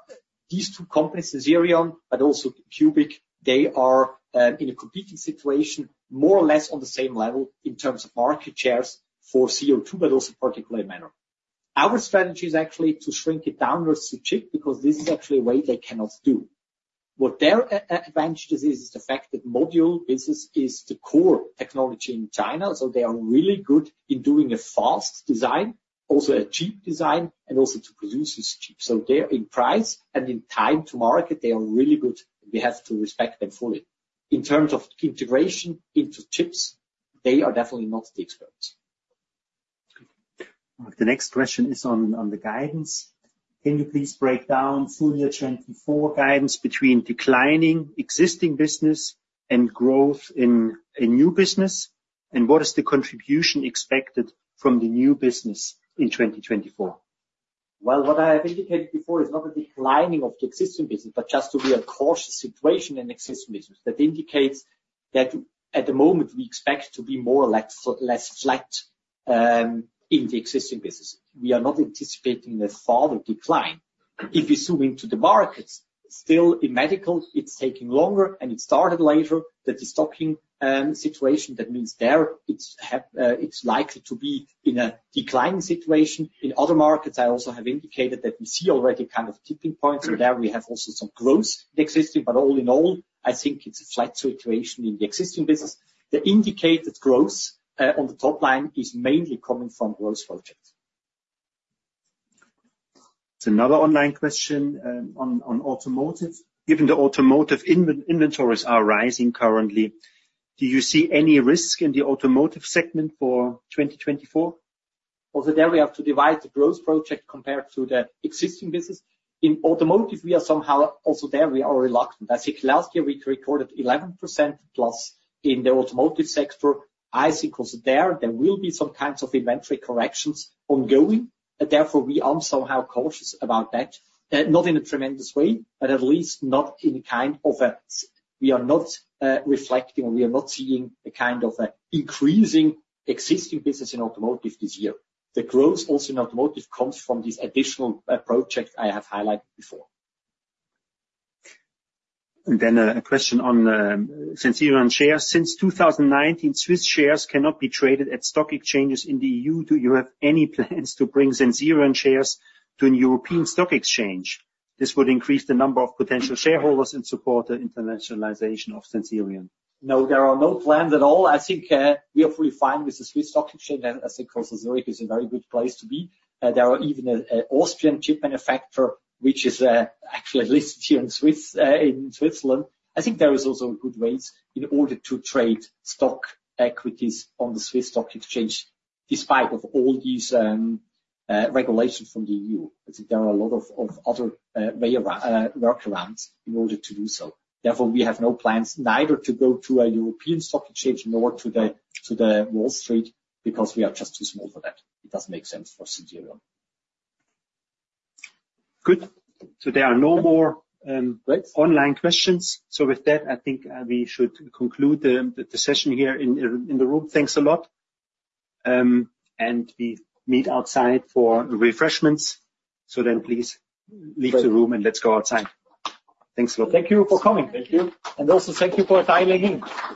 these two companies, Sensirion, but also Cubic, they are, in a competing situation more or less on the same level in terms of market shares for CO2, but also particulate matter. Our strategy is actually to shrink it downwards to chip because this is actually a way they cannot do. What their advantage is, is the fact that module business is the core technology in China. So they are really good in doing a fast design, also a cheap design, and also to produce this cheap. So they are in price and in time to market, they are really good. We have to respect them fully. In terms of integration into chips, they are definitely not the experts. Marc, the next question is on the guidance. Can you please break down full year 2024 guidance between declining existing business and growth in a new business? And what is the contribution expected from the new business in 2024? Well, what I have indicated before is not a declining of the existing business, but just to be a cautious situation in existing business that indicates that at the moment, we expect to be more or less flat in the existing business. We are not anticipating a further decline. If we zoom into the markets, still in medical, it's taking longer, and it started later. That is stocking situation. That means there, it's likely to be in a declining situation. In other markets, I also have indicated that we see already kind of tipping points. And there, we have also some growth in existing, but all in all, I think it's a flat situation in the existing business. The indicated growth on the top line is mainly coming from growth projects. It's another online question, on, on automotive. Given the automotive inventories are rising currently, do you see any risk in the automotive segment for 2024? Also there, we have to divide the growth project compared to the existing business. In automotive, we are somehow also there, we are reluctant. I think last year, we recorded 11%+ in the automotive sector. I think also there, there will be some kinds of inventory corrections ongoing. Therefore, we are somehow cautious about that, not in a tremendous way, but at least not in a kind of a we are not, reflecting or we are not seeing a kind of a increasing existing business in automotive this year. The growth also in automotive comes from these additional projects I have highlighted before. And then a question on, Sensirion shares. Since 2019, Swiss shares cannot be traded at stock exchanges in the EU. Do you have any plans to bring Sensirion shares to a European stock exchange? This would increase the number of potential shareholders and support the internationalization of Sensirion. No, there are no plans at all. I think we are fully fine with the Swiss stock exchange. I think also Zurich is a very good place to be. There are even an Austrian chip manufacturer, which is actually listed here in Swiss, in Switzerland. I think there is also a good ways in order to trade stock equities on the Swiss stock exchange despite of all these regulations from the EU. I think there are a lot of other way around, workarounds in order to do so. Therefore, we have no plans neither to go to a European stock exchange nor to the Wall Street because we are just too small for that. It doesn't make sense for Sensirion. Good. So there are no more online questions. So with that, I think we should conclude the session here in the room. Thanks a lot. And we meet outside for refreshments. So then please leave the room, and let's go outside. Thanks a lot. Thank you for coming. Thank you. And also thank you for dialing in.